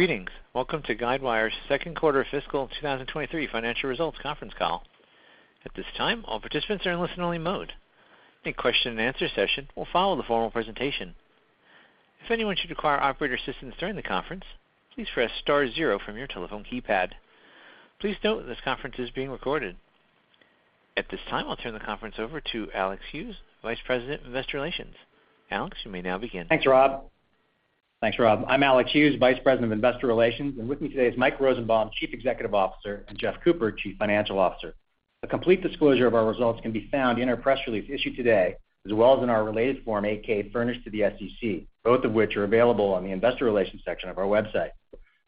Greetings. Welcome to Guidewire's second quarter fiscal 2023 financial results conference call. At this time, all participants are in listen-only mode. A question-and-answer session will follow the formal presentation. If anyone should require operator assistance during the conference, please press star zero from your telephone keypad. Please note this conference is being recorded. At this time, I'll turn the conference over to Alex Hughes, Vice President of Investor Relations. Alex, you may now begin. Thanks, Rob. I'm Alex Hughes, Vice President of Investor Relations, and with me today is Mike Rosenbaum, Chief Executive Officer, and Jeff Cooper, Chief Financial Officer. A complete disclosure of our results can be found in our press release issued today, as well as in our related Form 8-K furnished to the SEC, both of which are available on the investor relations section of our website.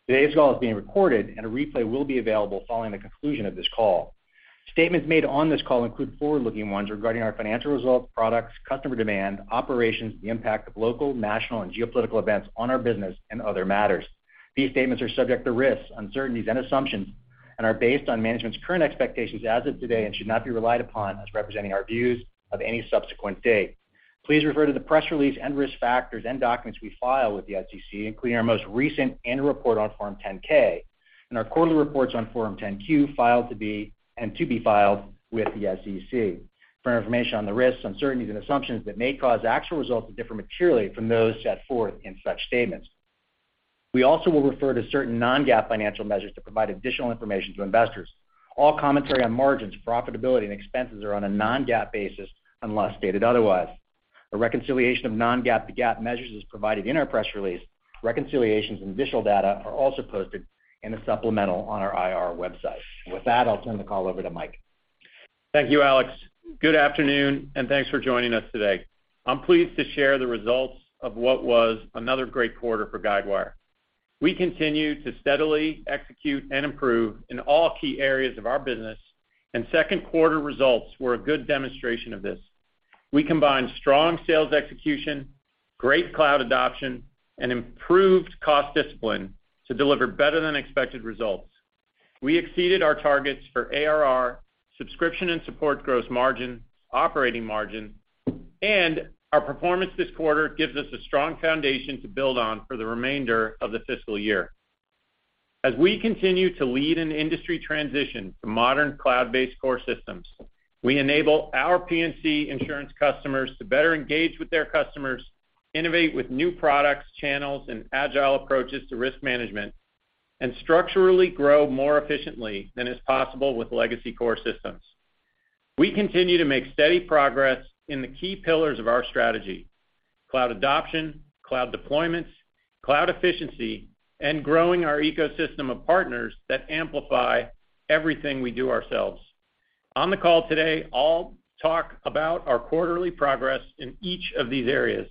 Today's call is being recorded, and a replay will be available following the conclusion of this call. Statements made on this call include forward-looking ones regarding our financial results, products, customer demand, operations, the impact of local, national, and geopolitical events on our business, and other matters. These statements are subject to risks, uncertainties, and assumptions, and are based on management's current expectations as of today and should not be relied upon as representing our views of any subsequent date. Please refer to the press release and risk factors and documents we file with the SEC, including our most recent annual report on Form 10-K and our quarterly reports on Form 10-Q filed to be and to be filed with the SEC for information on the risks, uncertainties, and assumptions that may cause actual results to differ materially from those set forth in such statements. We also will refer to certain non-GAAP financial measures to provide additional information to investors. All commentary on margins, profitability, and expenses are on a non-GAAP basis unless stated otherwise. A reconciliation of non-GAAP to GAAP measures is provided in our press release. Reconciliations and additional data are also posted in a supplemental on our IR website. With that, I'll turn the call over to Mike. Thank you, Alex. Good afternoon, and thanks for joining us today. I'm pleased to share the results of what was another great quarter for Guidewire. We continue to steadily execute and improve in all key areas of our business, and second quarter results were a good demonstration of this. We combined strong sales execution, great cloud adoption, and improved cost discipline to deliver better-than-expected results. We exceeded our targets for ARR, subscription and support gross margin, operating margin, and our performance this quarter gives us a strong foundation to build on for the remainder of the fiscal year. As we continue to lead an industry transition to modern cloud-based core systems, we enable our P&C insurance customers to better engage with their customers, innovate with new products, channels, and agile approaches to risk management, and structurally grow more efficiently than is possible with legacy core systems. We continue to make steady progress in the key pillars of our strategy: cloud adoption, cloud deployments, cloud efficiency, and growing our ecosystem of partners that amplify everything we do ourselves. On the call today, I'll talk about our quarterly progress in each of these areas.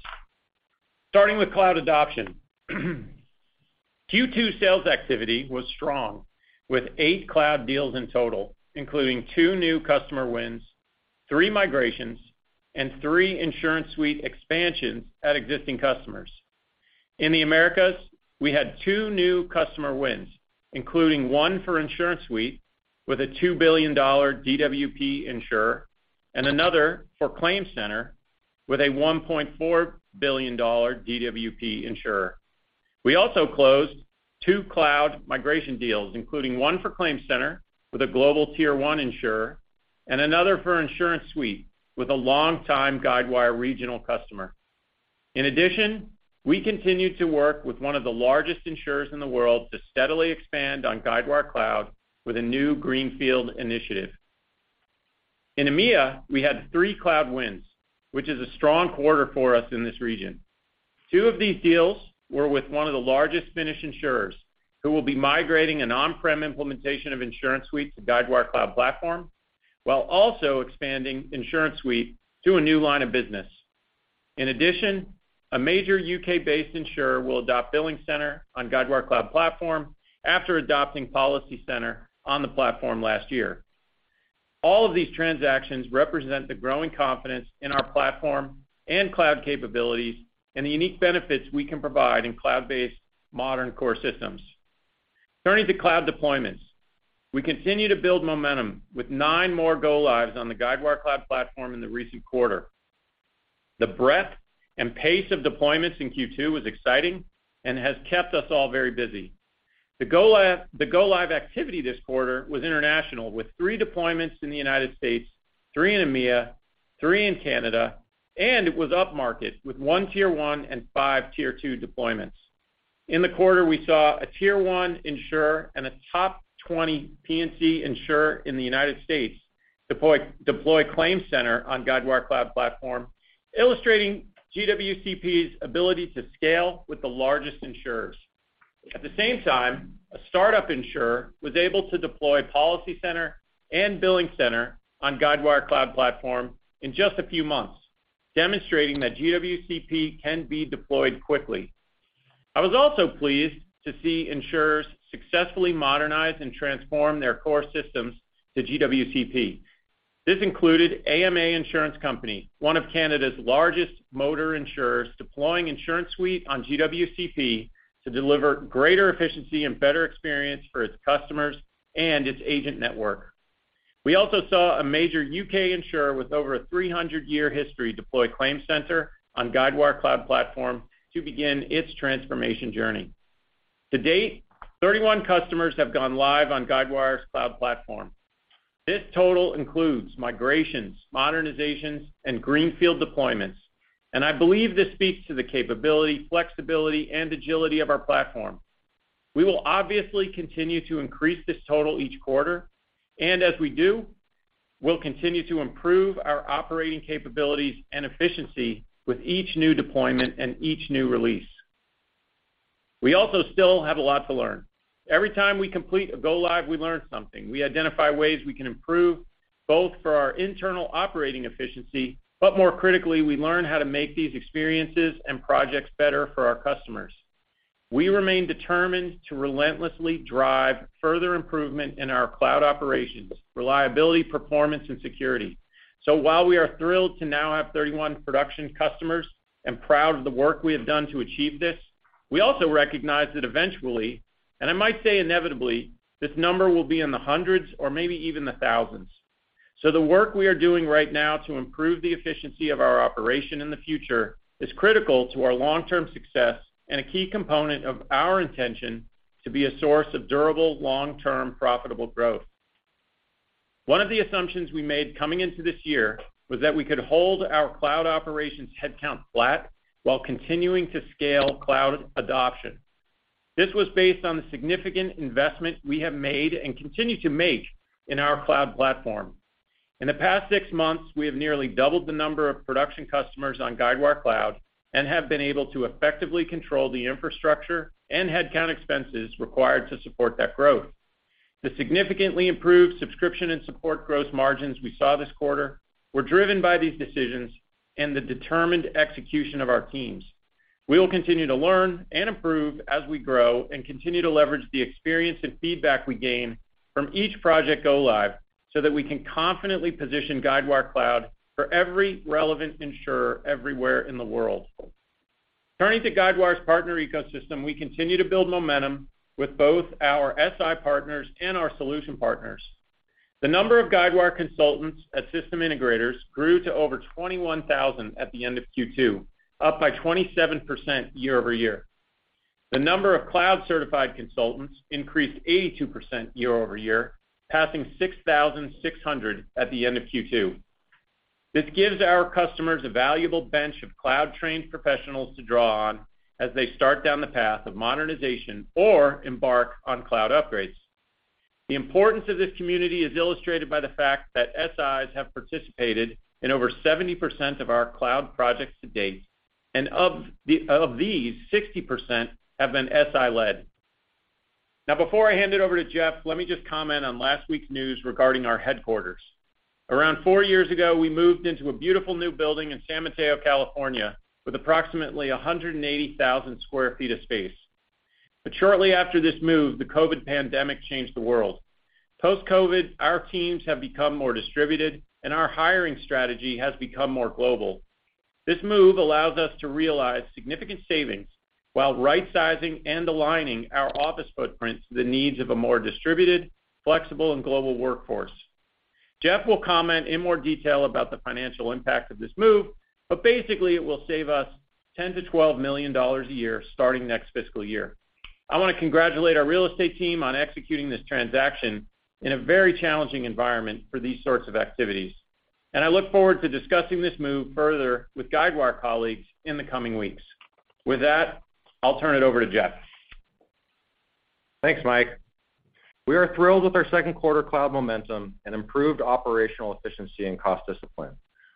Starting with cloud adoption. Q2 sales activity was strong with eight cloud deals in total, including two new customer wins, three migrations, and 3 InsuranceSuite expansions at existing customers. In the Americas, we had two new customer wins, including one for InsuranceSuite with a $2 billion DWP insurer and another for ClaimCenter with a $1.4 billion DWP insurer. We also closed two cloud migration deals, including one for ClaimCenter with a global Tier 1 insurer and another for InsuranceSuite with a longtime Guidewire regional customer. In addition, we continued to work with one of the largest insurers in the world to steadily expand on Guidewire Cloud with a new greenfield initiative. In EMEA, we had three cloud wins, which is a strong quarter for us in this region. Two of these deals were with one of the largest Finnish insurers, who will be migrating an on-prem implementation of InsuranceSuite to Guidewire Cloud Platform, while also expanding InsuranceSuite to a new line of business. In addition, a major U.K.-based insurer will adopt BillingCenter on Guidewire Cloud Platform after adopting PolicyCenter on the platform last year. All of these transactions represent the growing confidence in our platform and cloud capabilities and the unique benefits we can provide in cloud-based modern core systems. Turning to cloud deployments. We continue to build momentum with nine more go-lives on the Guidewire Cloud Platform in the recent quarter. The breadth and pace of deployments in Q2 was exciting and has kept us all very busy. The go-live activity this quarter was international, with three deployments in the United States, three in EMEA, three in Canada, and it was upmarket, with one Tier 1 and five Tier 2 deployments. In the quarter, we saw a Tier 1 insurer and a top 20 P&C insurer in the United States deploy ClaimCenter on Guidewire Cloud Platform, illustrating GWCP's ability to scale with the largest insurers. At the same time, a startup insurer was able to deploy PolicyCenter and BillingCenter on Guidewire Cloud Platform in just a few months, demonstrating that GWCP can be deployed quickly. I was also pleased to see insurers successfully modernize and transform their core systems to GWCP. This included AMA Insurance Company, one of Canada's largest motor insurers, deploying InsuranceSuite on GWCP to deliver greater efficiency and better experience for its customers and its agent network. We also saw a major U.K. insurer with over a 300-year history deploy ClaimCenter on Guidewire Cloud Platform to begin its transformation journey. To date, 31 customers have gone live on Guidewire's Cloud Platform. This total includes migrations, modernizations, and greenfield deployments. I believe this speaks to the capability, flexibility, and agility of our platform. We will obviously continue to increase this total each quarter. As we do, we'll continue to improve our operating capabilities and efficiency with each new deployment and each new release. We also still have a lot to learn. Every time we complete a go-live, we learn something. We identify ways we can improve, both for our internal operating efficiency, but more critically, we learn how to make these experiences and projects better for our customers. We remain determined to relentlessly drive further improvement in our cloud operations, reliability, performance, and security. While we are thrilled to now have 31 production customers and proud of the work we have done to achieve this, we also recognize that eventually, and I might say inevitably, this number will be in the hundreds or maybe even the thousands. The work we are doing right now to improve the efficiency of our operation in the future is critical to our long-term success and a key component of our intention to be a source of durable, long-term, profitable growth. One of the assumptions we made coming into this year was that we could hold our cloud operations headcount flat while continuing to scale cloud adoption. This was based on the significant investment we have made and continue to make in our cloud platform. In the past six months, we have nearly doubled the number of production customers on Guidewire Cloud and have been able to effectively control the infrastructure and headcount expenses required to support that growth. The significantly improved subscription and support gross margins we saw this quarter were driven by these decisions and the determined execution of our teams. We will continue to learn and improve as we grow and continue to leverage the experience and feedback we gain from each project go-live so that we can confidently position Guidewire Cloud for every relevant insurer everywhere in the world. Turning to Guidewire's partner ecosystem, we continue to build momentum with both our SI partners and our solution partners. The number of Guidewire consultants at System Integrators grew to over 21,000 at the end of Q2, up by 27% year-over-year. The number of cloud-certified consultants increased 82% year-over-year, passing 6,600 at the end of Q2. This gives our customers a valuable bench of cloud-trained professionals to draw on as they start down the path of modernization or embark on cloud upgrades. The importance of this community is illustrated by the fact that SIs have participated in over 70% of our cloud projects to date, and of these, 60% have been SI-led. Before I hand it over to Jeff, let me just comment on last week's news regarding our headquarters. Around four years ago, we moved into a beautiful new building in San Mateo, California, with approximately 180,000 sq ft of space. Shortly after this move, the COVID pandemic changed the world. Post-COVID, our teams have become more distributed, and our hiring strategy has become more global. This move allows us to realize significant savings while right-sizing and aligning our office footprint to the needs of a more distributed, flexible, and global workforce. Jeff will comment in more detail about the financial impact of this move, basically it will save us $10 million-$12 million a year starting next fiscal year. I want to congratulate our real estate team on executing this transaction in a very challenging environment for these sorts of activities. I look forward to discussing this move further with Guidewire colleagues in the coming weeks. With that, I'll turn it over to Jeff. Thanks, Mike. We are thrilled with our second quarter cloud momentum and improved operational efficiency and cost discipline,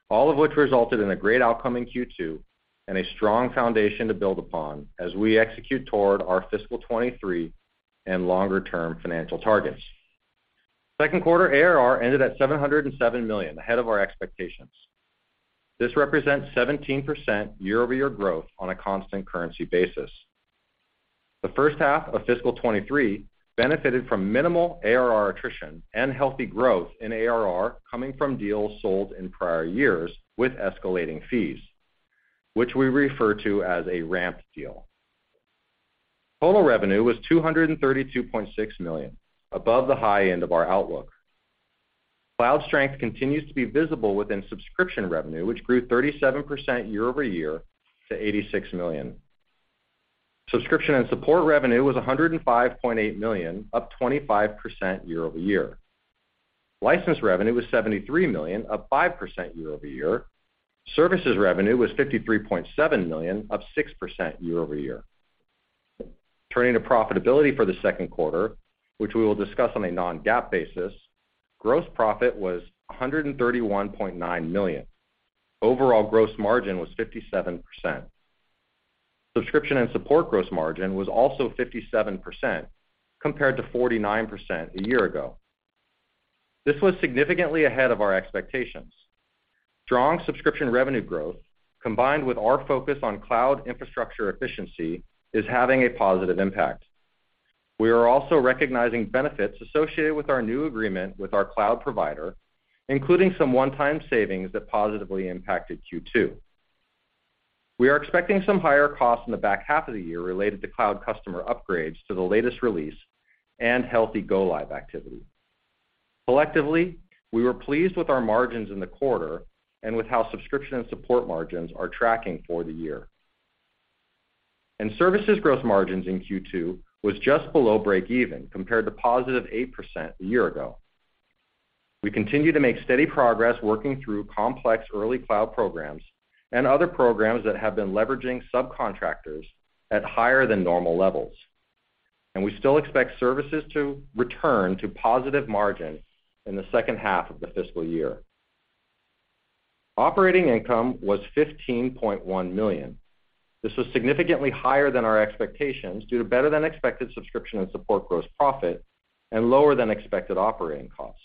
all of which resulted in a great outcome in Q2 and a strong foundation to build upon as we execute toward our fiscal 2023 and longer-term financial targets. Second quarter ARR ended at $707 million, ahead of our expectations. This represents 17% year-over-year growth on a constant currency basis. The first half of fiscal 2023 benefited from minimal ARR attrition and healthy growth in ARR coming from deals sold in prior years with escalating fees, which we refer to as a ramped deal. Total revenue was $232.6 million, above the high end of our outlook. Cloud strength continues to be visible within subscription revenue, which grew 37% year-over-year to $86 million. Subscription and support revenue was $105.8 million, up 25% year-over-year. License revenue was $73 million, up 5% year-over-year. Services revenue was $53.7 million, up 6% year-over-year. Turning to profitability for the second quarter, which we will discuss on a non-GAAP basis, gross profit was $131.9 million. Overall gross margin was 57%. Subscription and support gross margin was also 57% compared to 49% a year ago. This was significantly ahead of our expectations. Strong subscription revenue growth combined with our focus on cloud infrastructure efficiency is having a positive impact. We are also recognizing benefits associated with our new agreement with our cloud provider, including some one-time savings that positively impacted Q2. We are expecting some higher costs in the back half of the year related to cloud customer upgrades to the latest release and healthy go-live activity. Collectively, we were pleased with our margins in the quarter and with how subscription and support margins are tracking for the year. Services gross margins in Q2 was just below breakeven compared to positive 8% a year ago. We continue to make steady progress working through complex early cloud programs and other programs that have been leveraging subcontractors at higher than normal levels, and we still expect services to return to positive margin in the second half of the fiscal year. Operating income was $15.1 million. This was significantly higher than our expectations due to better than expected subscription and support gross profit and lower than expected operating costs.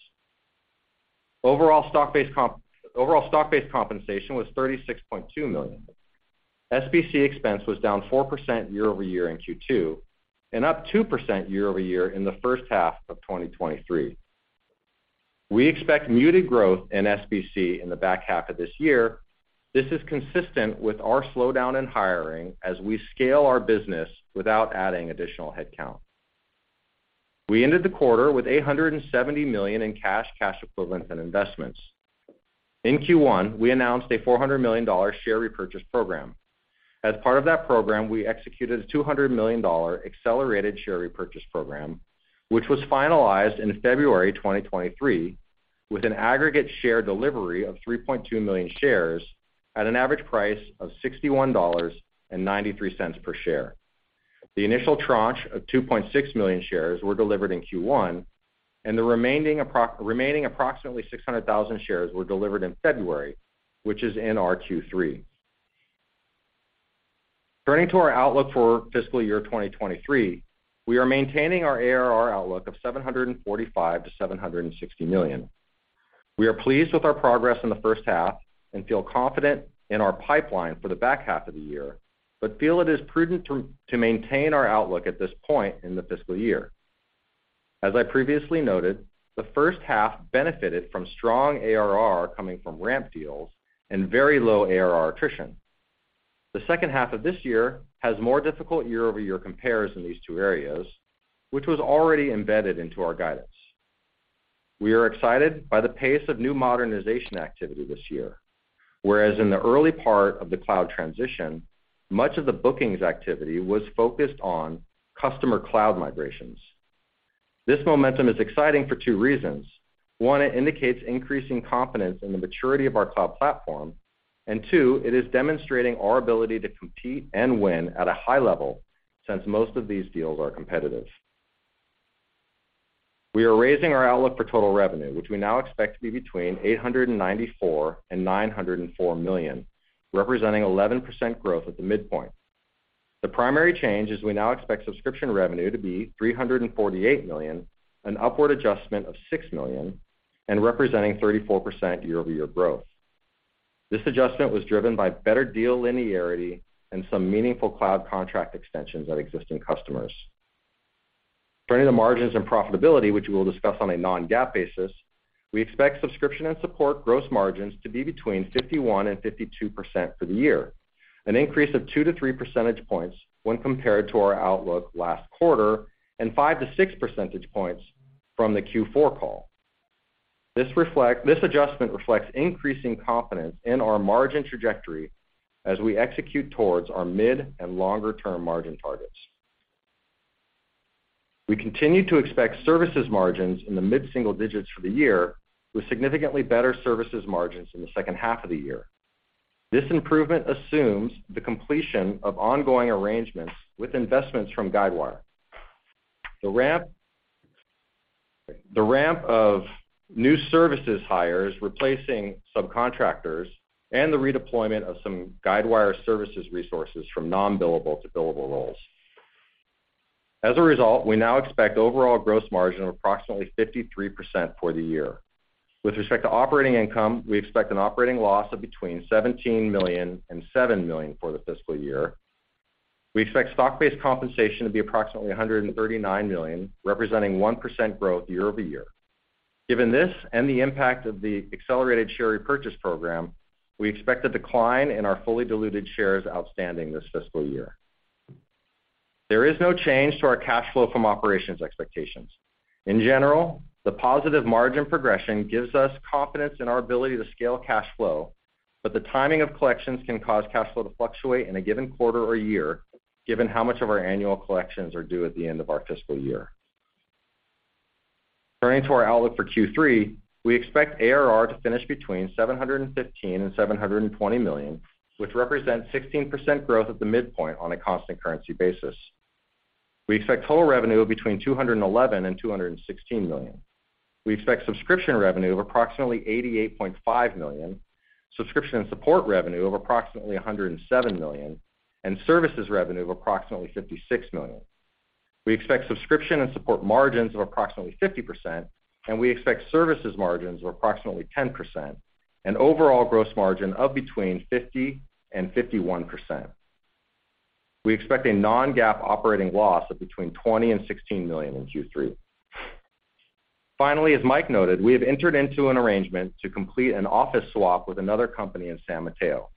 Overall stock-based compensation was $36.2 million. SBC expense was down 4% year-over-year in Q2 and up 2% year-over-year in the first half of 2023. We expect muted growth in SBC in the back half of this year. This is consistent with our slowdown in hiring as we scale our business without adding additional headcount. We ended the quarter with $870 million in cash equivalents and investments. In Q1, we announced a $400 million share repurchase program. As part of that program, we executed a $200 million accelerated share repurchase program, which was finalized in February 2023, with an aggregate share delivery of 3.2 million shares at an average price of $61.93 per share. The initial tranche of 2.6 million shares were delivered in Q1, and the remaining approximately 600,000 shares were delivered in February, which is in our Q3. Turning to our outlook for fiscal year 2023, we are maintaining our ARR outlook of $745 million-$760 million. We are pleased with our progress in the first half and feel confident in our pipeline for the back half of the year, but feel it is prudent to maintain our outlook at this point in the fiscal year. As I previously noted, the first half benefited from strong ARR coming from ramp deals and very low ARR attrition. The second half of this year has more difficult year-over-year compares in these two areas, which was already embedded into our guidance. We are excited by the pace of new modernization activity this year, whereas in the early part of the cloud transition, much of the bookings activity was focused on customer cloud migrations. This momentum is exciting for two reasons. One, it indicates increasing confidence in the maturity of our cloud platform, and two, it is demonstrating our ability to compete and win at a high level since most of these deals are competitive. We are raising our outlook for total revenue, which we now expect to be between $894 million and $904 million, representing 11% growth at the midpoint. The primary change is we now expect subscription revenue to be $348 million, an upward adjustment of $6 million, and representing 34% year-over-year growth. This adjustment was driven by better deal linearity and some meaningful cloud contract extensions at existing customers. Turning to margins and profitability, which we will discuss on a non-GAAP basis, we expect subscription and support gross margins to be between 51%-52% for the year, an increase of 2 to 3 percentage points when compared to our outlook last quarter and 5 to 6 percentage points from the Q4 call. This adjustment reflects increasing confidence in our margin trajectory as we execute towards our mid and longer term margin targets. We continue to expect services margins in the mid-single digits for the year with significantly better services margins in the second half of the year. This improvement assumes the completion of ongoing arrangements with investments from Guidewire. The ramp of new services hires replacing subcontractors and the redeployment of some Guidewire services resources from non-billable to billable roles. As a result, we now expect overall gross margin of approximately 53% for the year. With respect to operating income, we expect an operating loss of between $17 million and $7 million for the fiscal year. We expect stock-based compensation to be approximately $139 million, representing 1% growth year-over-year. Given this and the impact of the accelerated share repurchase program, we expect a decline in our fully diluted shares outstanding this fiscal year. There is no change to our cash flow from operations expectations. In general, the positive margin progression gives us confidence in our ability to scale cash flow, but the timing of collections can cause cash flow to fluctuate in a given quarter or year given how much of our annual collections are due at the end of our fiscal year. Turning to our outlook for Q3, we expect ARR to finish between $715 million and $720 million, which represents 16% growth at the midpoint on a constant currency basis. We expect total revenue of between $211 million and $216 million. We expect subscription revenue of approximately $88.5 million, subscription and support revenue of approximately $107 million, and services revenue of approximately $56 million. We expect subscription and support margins of approximately 50%. We expect services margins of approximately 10% and overall gross margin of between 50%-51%. We expect a non-GAAP operating loss of between $20 million and $16 million in Q3. Finally, as Mike noted, we have entered into an arrangement to complete an office swap with another company in San Mateo.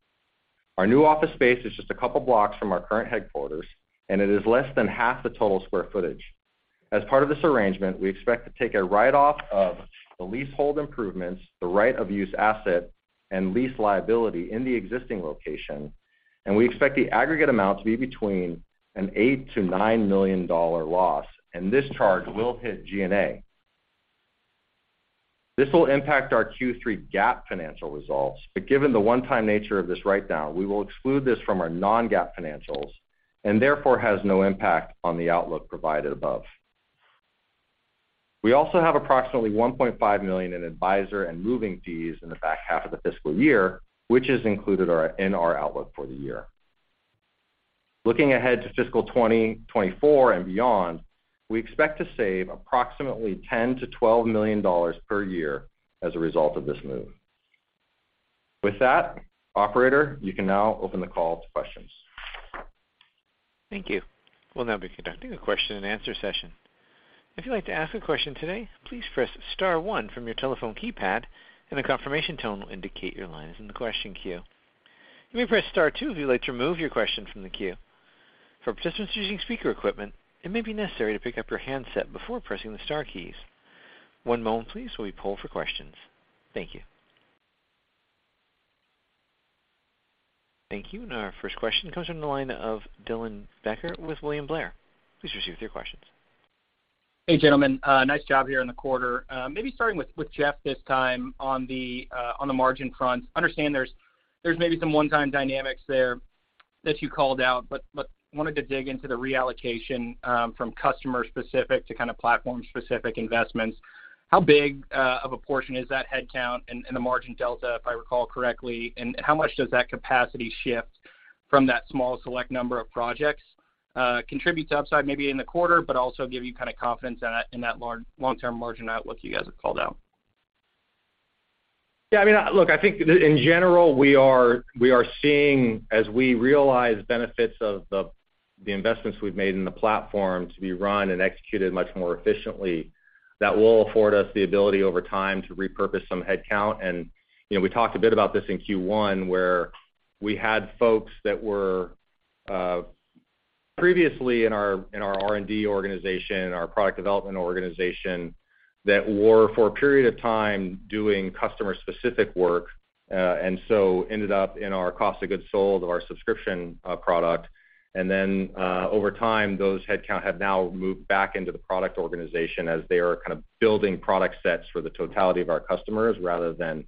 Our new office space is just a couple blocks from our current headquarters, and it is less than half the total square footage. As part of this arrangement, we expect to take a write off of the leasehold improvements, the right of use asset, and lease liability in the existing location, and we expect the aggregate amount to be between an $8 million-$9 million loss. This charge will hit G&A. This will impact our Q3 GAAP financial results, given the one-time nature of this write down, we will exclude this from our non-GAAP financials and therefore has no impact on the outlook provided above. We also have approximately $1.5 million in advisor and moving fees in the back half of the fiscal year, which is included in our outlook for the year. Looking ahead to fiscal 2024 and beyond, we expect to save approximately $10 million-$12 million per year as a result of this move. With that, operator, you can now open the call to questions. Thank you. We'll now be conducting a question-and-answer session. If you'd like to ask a question today, please press star one from your telephone keypad and a confirmation tone will indicate your line is in the question queue. You may press star two if you'd like to remove your question from the queue. For participants using speaker equipment, it may be necessary to pick up your handset before pressing the star keys. One moment please while we poll for questions. Thank you. Thank you. Our first question comes from the line of Dylan Becker with William Blair. Please proceed with your questions. Hey, gentlemen. Nice job here in the quarter. Maybe starting with Jeff this time on the margin front. Understand there's maybe some one-time dynamics there that you called out. Wanted to dig into the reallocation from customer-specific to kind of platform-specific investments. How big of a portion is that headcount and the margin delta, if I recall correctly, and how much does that capacity shift from that small select number of projects contribute to upside maybe in the quarter, but also give you kind of confidence in that long-term margin outlook you guys have called out? Yeah, I mean, look, I think in general, we are seeing as we realize benefits of the investments we've made in the platform to be run and executed much more efficiently, that will afford us the ability over time to repurpose some headcount. You know, we talked a bit about this in Q1, where we had folks that were previously in our R&D organization, in our product development organization that were for a period of time doing customer-specific work, and so ended up in our cost of goods sold of our subscription product. Over time, those headcount have now moved back into the product organization as they are kind of building product sets for the totality of our customers rather than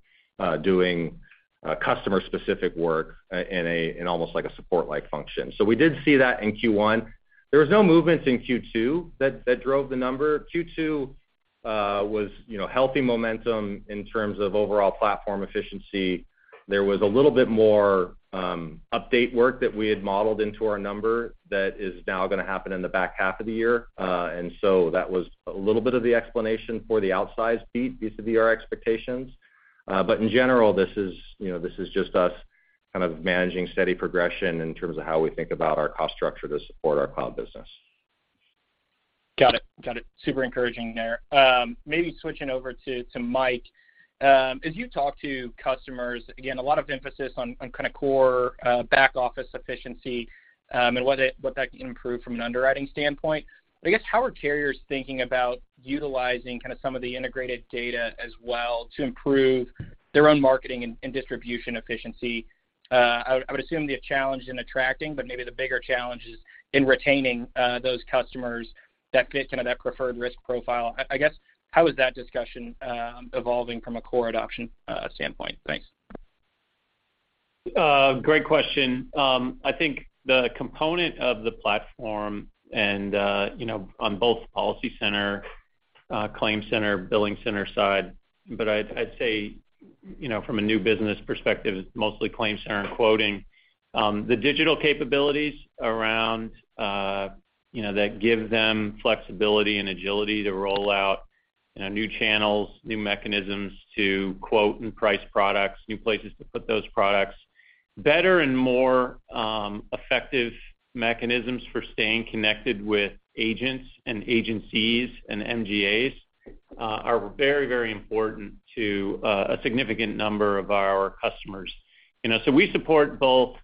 doing customer-specific work in almost like a support-like function. We did see that in Q1. There was no movements in Q2 that drove the number. Q2 was, you know, healthy momentum in terms of overall platform efficiency. There was a little bit more update work that we had modeled into our number that is now gonna happen in the back half of the year. That was a little bit of the explanation for the outsized beat vis-a-vis our expectations. In general, this is, you know, this is just us kind of managing steady progression in terms of how we think about our cost structure to support our cloud business. Got it. Got it. Super encouraging there. Maybe switching over to Mike. As you talk to customers, again, a lot of emphasis on kinda core back office efficiency, and what that can improve from an underwriting standpoint. I guess, how are carriers thinking about utilizing kinda some of the integrated data as well to improve their own marketing and distribution efficiency? I would, I would assume the challenge in attracting, but maybe the bigger challenge is in retaining those customers that fit kind of that preferred risk profile. I guess, how is that discussion evolving from a core adoption standpoint? Thanks. Great question. I think the component of the platform and, you know, on both PolicyCenter, ClaimCenter, BillingCenter side, but I'd say, you know, from a new business perspective, it's mostly ClaimCenter and quoting, the digital capabilities around, you know, that give them flexibility and agility to roll out, you know, new channels, new mechanisms to quote new price products, new places to put those products. Better and more effective mechanisms for staying connected with agents and agencies and MGAs, are very, very important to a significant number of our customers. You know, so we support both,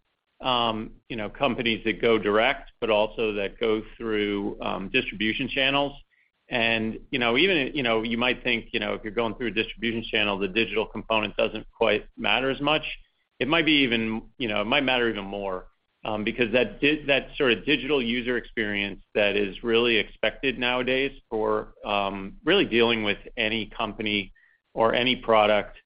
you know, companies that go direct, but also that go through distribution channels. You know, even, you know, you might think, you know, if you're going through a distribution channel, the digital component doesn't quite matter as much. It might be even, you know, it might matter even more, because that sort of digital user experience that is really expected nowadays for, really dealing with any company or any product,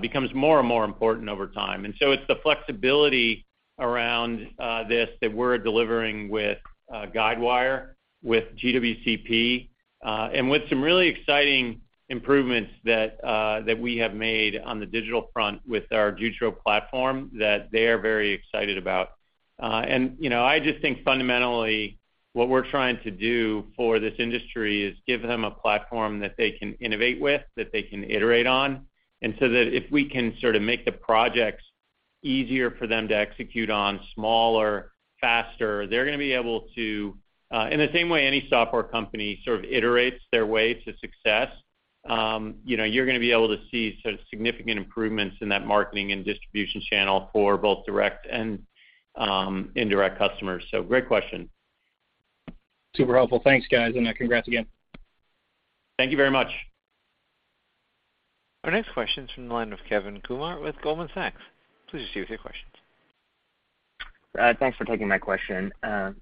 becomes more and more important over time. It's the flexibility around, this that we're delivering with, Guidewire, with GWCP, and with some really exciting improvements that we have made on the digital front with our Jutro platform that they are very excited about. You know, I just think fundamentally, what we're trying to do for this industry is give them a platform that they can innovate with, that they can iterate on. That if we can sort of make the projects easier for them to execute on smaller, faster. They're going to be able to, in the same way any software company sort of iterates their way to success, you know, you're going to be able to see sort of significant improvements in that marketing and distribution channel for both direct and indirect customers. Great question. Super helpful. Thanks, guys, and congrats again. Thank you very much. Our next question is from the line of Kevin Kumar with Goldman Sachs. Please proceed with your questions. Thanks for taking my question.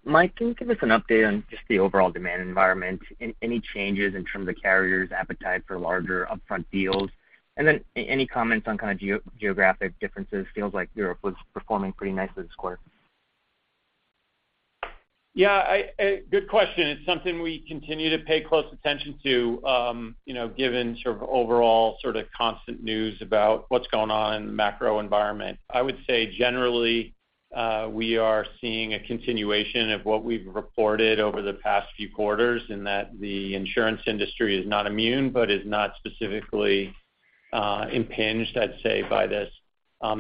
Mike, can you give us an update on just the overall demand environment and any changes in terms of carriers' appetite for larger upfront deals? Any comments on kind of geographic differences? Feels like Europe was performing pretty nicely this quarter. Good question. It's something we continue to pay close attention to, you know, given sort of overall sort of constant news about what's going on in the macro environment. I would say generally, we are seeing a continuation of what we've reported over the past few quarters in that the insurance industry is not immune but is not specifically impinged, I'd say, by this.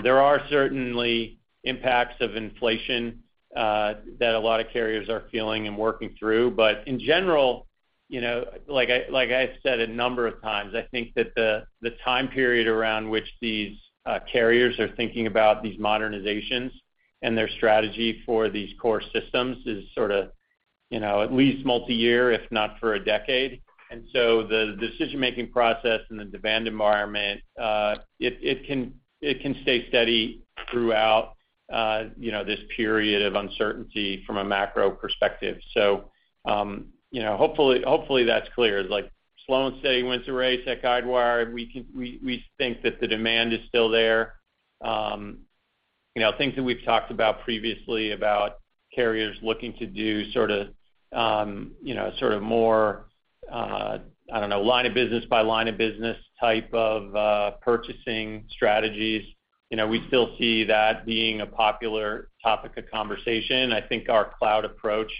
There are certainly impacts of inflation that a lot of carriers are feeling and working through. In general, you know, like I said a number of times, I think that the time period around which these carriers are thinking about these modernizations and their strategy for these core systems is sort of, you know, at least multiyear, if not for a decade. The decision-making process and the demand environment, it can, it can stay steady throughout, you know, this period of uncertainty from a macro perspective. You know, hopefully that's clear. Like, slow and steady wins the race at Guidewire. We think that the demand is still there. You know, things that we've talked about previously about carriers looking to do sort of, you know, sort of more, I don't know, line of business by line of business type of, purchasing strategies. You know, we still see that being a popular topic of conversation. I think our cloud approach,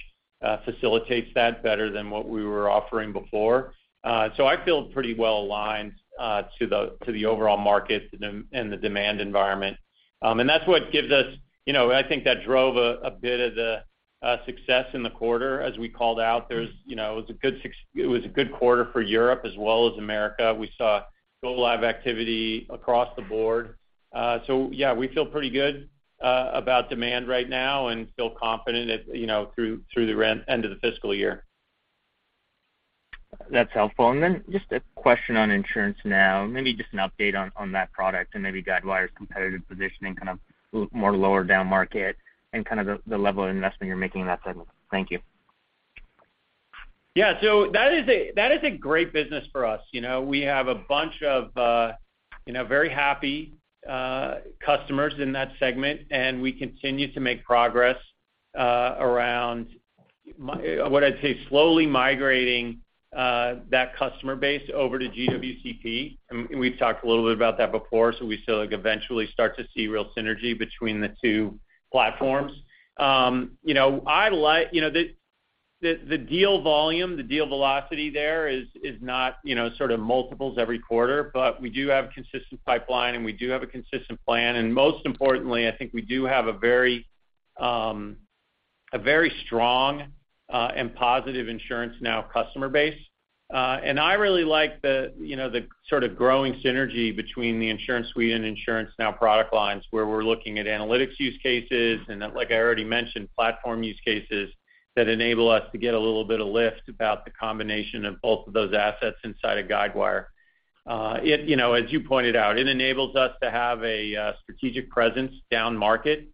facilitates that better than what we were offering before. I feel pretty well aligned, to the, to the overall market and the, and the demand environment. That's what gives us, you know, I think that drove a bit of the success in the quarter. As we called out, there's, you know, it was a good quarter for Europe as well as America. We saw go live activity across the board. Yeah, we feel pretty good about demand right now and feel confident at, you know, through the end of the fiscal year. That's helpful. Just a question on InsuranceNow, maybe just an update on that product and maybe Guidewire's competitive positioning kind of more lower down market and kind of the level of investment you're making in that segment. Thank you. Yeah. That is a great business for us. You know, we have a bunch of, you know, very happy customers in that segment, and we continue to make progress around what I'd say, slowly migrating that customer base over to GWCP. We've talked a little bit about that before. We still, like, eventually start to see real synergy between the two platforms. You know, I like, you know, the deal volume, the deal velocity there is not, you know, sort of multiples every quarter. We do have a consistent pipeline, and we do have a consistent plan. Most importantly, I think we do have a very, a very strong, and positive InsuranceNow customer base. you know, the sort of growing synergy between the InsuranceSuite and InsuranceNow product lines, where we are looking at analytics use cases and, like I already mentioned, platform use cases that enable us to get a little bit of lift about the combination of both of those assets inside of Guidewire. It, you know, as you pointed out, it enables us to have a strategic presence down market,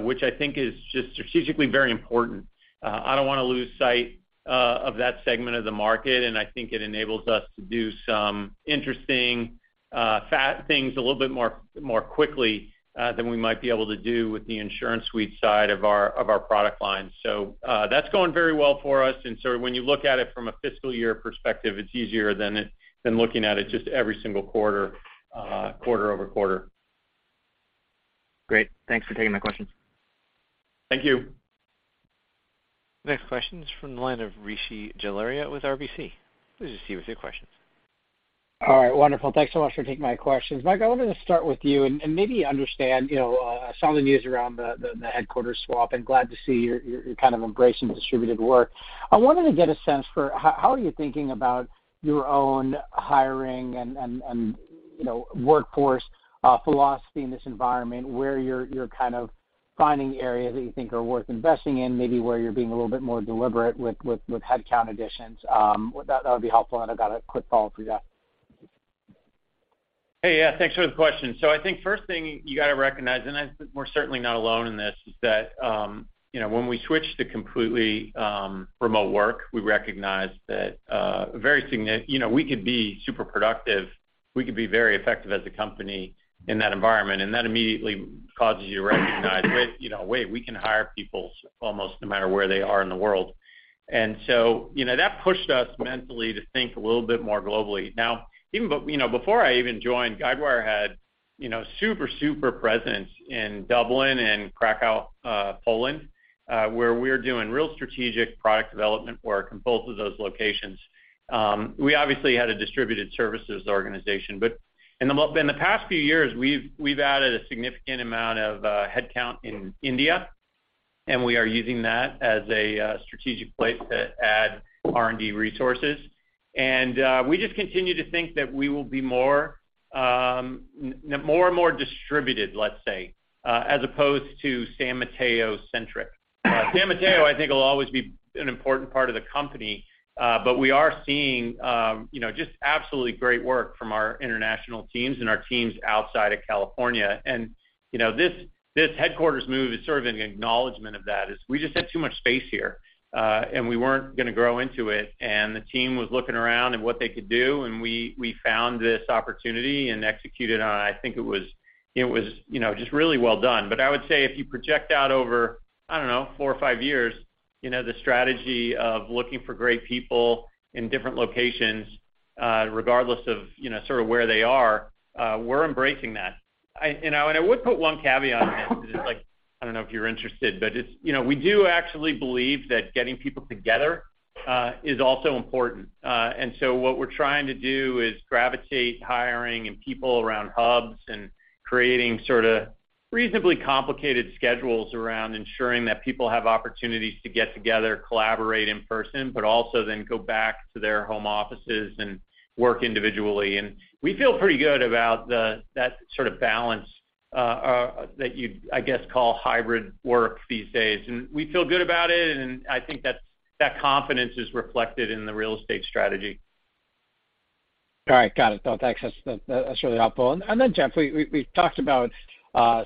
which I think is just strategically very important. I do not want to lose sight of that segment of the market, and I think it enables us to do some interesting things a little bit more quickly than we might be able to do with the InsuranceSuite side of our product line. That is going very well for us. When you look at it from a fiscal year perspective, it's easier than looking at it just every single quarter-over-quarter. Great. Thanks for taking my questions. Thank you. Next question is from the line of Rishi Jaluria with RBC. Please proceed with your questions. All right. Wonderful. Thanks so much for taking my questions. Mike, I wanted to start with you and maybe understand, you know, some of the news around the headquarters swap, and glad to see you're kind of embracing distributed work. I wanted to get a sense for how are you thinking about your own hiring and, you know, workforce philosophy in this environment, where you're kind of finding areas that you think are worth investing in, maybe where you're being a little bit more deliberate with headcount additions. That would be helpful, and I've got a quick follow-up for you after. Hey. Yeah. Thanks for the question. I think first thing you gotta recognize, and I think we're certainly not alone in this, is that, you know, when we switched to completely remote work, we recognized that, you know, we could be super productive. We could be very effective as a company in that environment, and that immediately causes you to recognize, you know, wait, we can hire people almost no matter where they are in the world. You know, that pushed us mentally to think a little bit more globally. You know, before I even joined, Guidewire had, you know, super presence in Dublin and Kraków, Poland, where we're doing real strategic product development work in both of those locations. We obviously had a distributed services organization, but in the past few years, we've added a significant amount of headcount in India. We are using that as a strategic place to add R&D resources. We just continue to think that we will be more, more and more distributed, let's say, as opposed to San Mateo-centric. San Mateo, I think will always be an important part of the company, but we are seeing, you know, just absolutely great work from our international teams and our teams outside of California. You know, this headquarters move is sort of an acknowledgment of that, is we just had too much space here, and we weren't gonna grow into it. The team was looking around at what they could do, and we found this opportunity and executed on it. I think it was, you know, just really well done. I would say if you project out over, I don't know, four or five years, you know, the strategy of looking for great people in different locations, regardless of, you know, sort of where they are, we're embracing that. You know, and I would put one caveat on that, just like, I don't know if you're interested, but it's, you know, we do actually believe that getting people together, is also important. What we're trying to do is gravitate hiring and people around hubs and creating sort of reasonably complicated schedules around ensuring that people have opportunities to get together, collaborate in person, but also then go back to their home offices and work individually. We feel pretty good about that sort of balance that you'd, I guess, call hybrid work these days. We feel good about it, and I think that confidence is reflected in the real estate strategy. All right. Got it. No, thanks. That's, that's really helpful. Then, Jeff, we talked about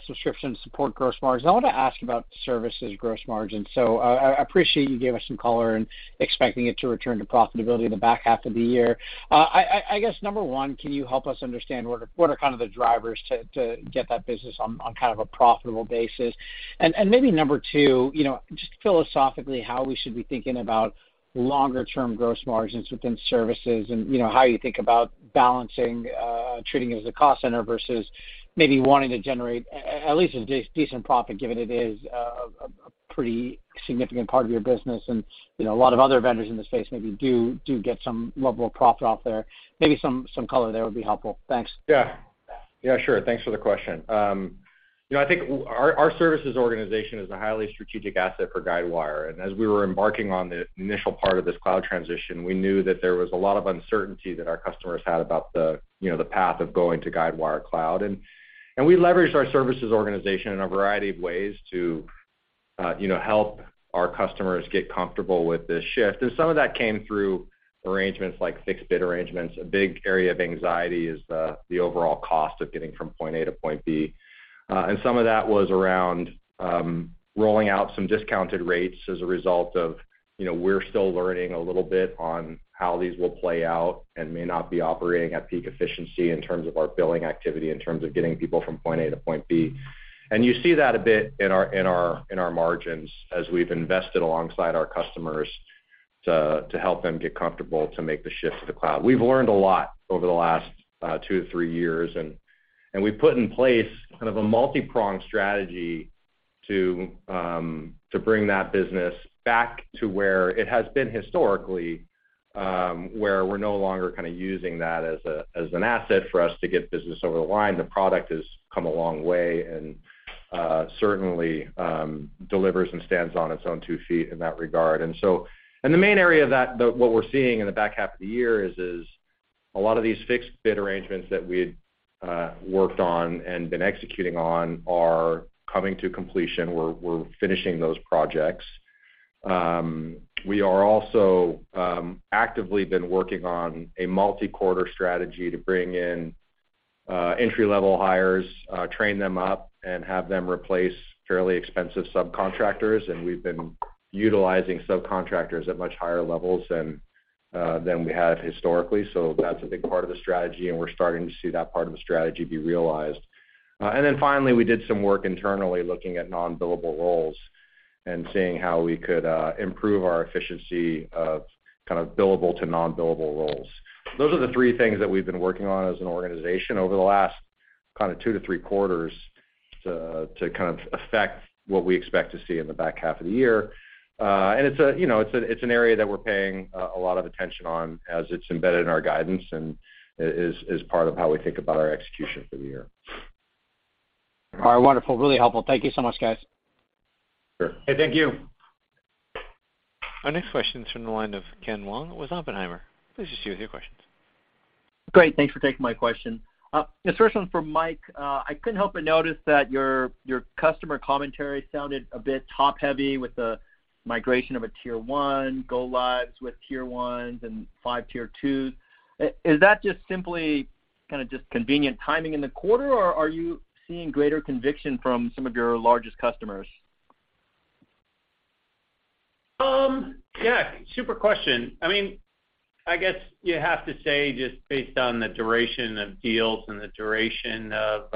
subscription support gross margins. I want to ask about services gross margins. I appreciate you gave us some color and expecting it to return to profitability in the back half of the year. I guess, number one, can you help us understand what are kind of the drivers to get that business on kind of a profitable basis? Maybe number two, you know, just philosophically, how we should be thinking about longer-term gross margins within services and, you know, how you think about balancing, treating it as a cost center versus maybe wanting to generate at least a decent profit, given it is a pretty significant part of your business. You know, a lot of other vendors in the space maybe do get some level of profit off there. Maybe some color there would be helpful. Thanks. Yeah. Yeah, sure. Thanks for the question. You know, I think our services organization is a highly strategic asset for Guidewire. As we were embarking on the initial part of this cloud transition, we knew that there was a lot of uncertainty that our customers had about the, you know, the path of going to Guidewire Cloud. We leveraged our services organization in a variety of ways to, you know, help our customers get comfortable with this shift. Some of that came through arrangements like fixed bid arrangements. A big area of anxiety is the overall cost of getting from point A to point B. Some of that was around rolling out some discounted rates as a result of, you know, we're still learning a little bit on how these will play out and may not be operating at peak efficiency in terms of our billing activity, in terms of getting people from point A to point B. You see that a bit in our margins as we've invested alongside our customers to help them get comfortable to make the shift to the cloud. We've learned a lot over the last two to three years, and we've put in place kind of a multipronged strategy to bring that business back to where it has been historically, where we're no longer kind of using that as an asset for us to get business over the line. The product has come a long way and, certainly, delivers and stands on its own two feet in that regard. The main area what we're seeing in the back half of the year is a lot of these fixed bid arrangements that we had worked on and been executing on are coming to completion. We're finishing those projects. We are also actively been working on a multi-quarter strategy to bring in entry-level hires, train them up, and have them replace fairly expensive subcontractors. We've been utilizing subcontractors at much higher levels than we have historically. That's a big part of the strategy, and we're starting to see that part of the strategy be realized. Finally, we did some work internally looking at non-billable roles and seeing how we could improve our efficiency of kind of billable to non-billable roles. Those are the three things that we've been working on as an organization over the last kind of two to three quarters to kind of affect what we expect to see in the back half of the year. It's a, you know, it's an area that we're paying a lot of attention on as it's embedded in our guidance and is part of how we think about our execution for the year. All right. Wonderful. Really helpful. Thank you so much, guys. Sure. Okay. Thank you. Our next question is from the line of Ken Wong with Oppenheimer. Please proceed with your questions. Great. Thanks for taking my question. This first one's for Mike. I couldn't help but notice that your customer commentary sounded a bit top-heavy with the migration of a Tier 1, go lives with Tier 1s and five Tier 2s. Is that just simply kind of just convenient timing in the quarter, or are you seeing greater conviction from some of your largest customers? Yeah, super question. I mean, I guess you have to say, just based on the duration of deals and the duration of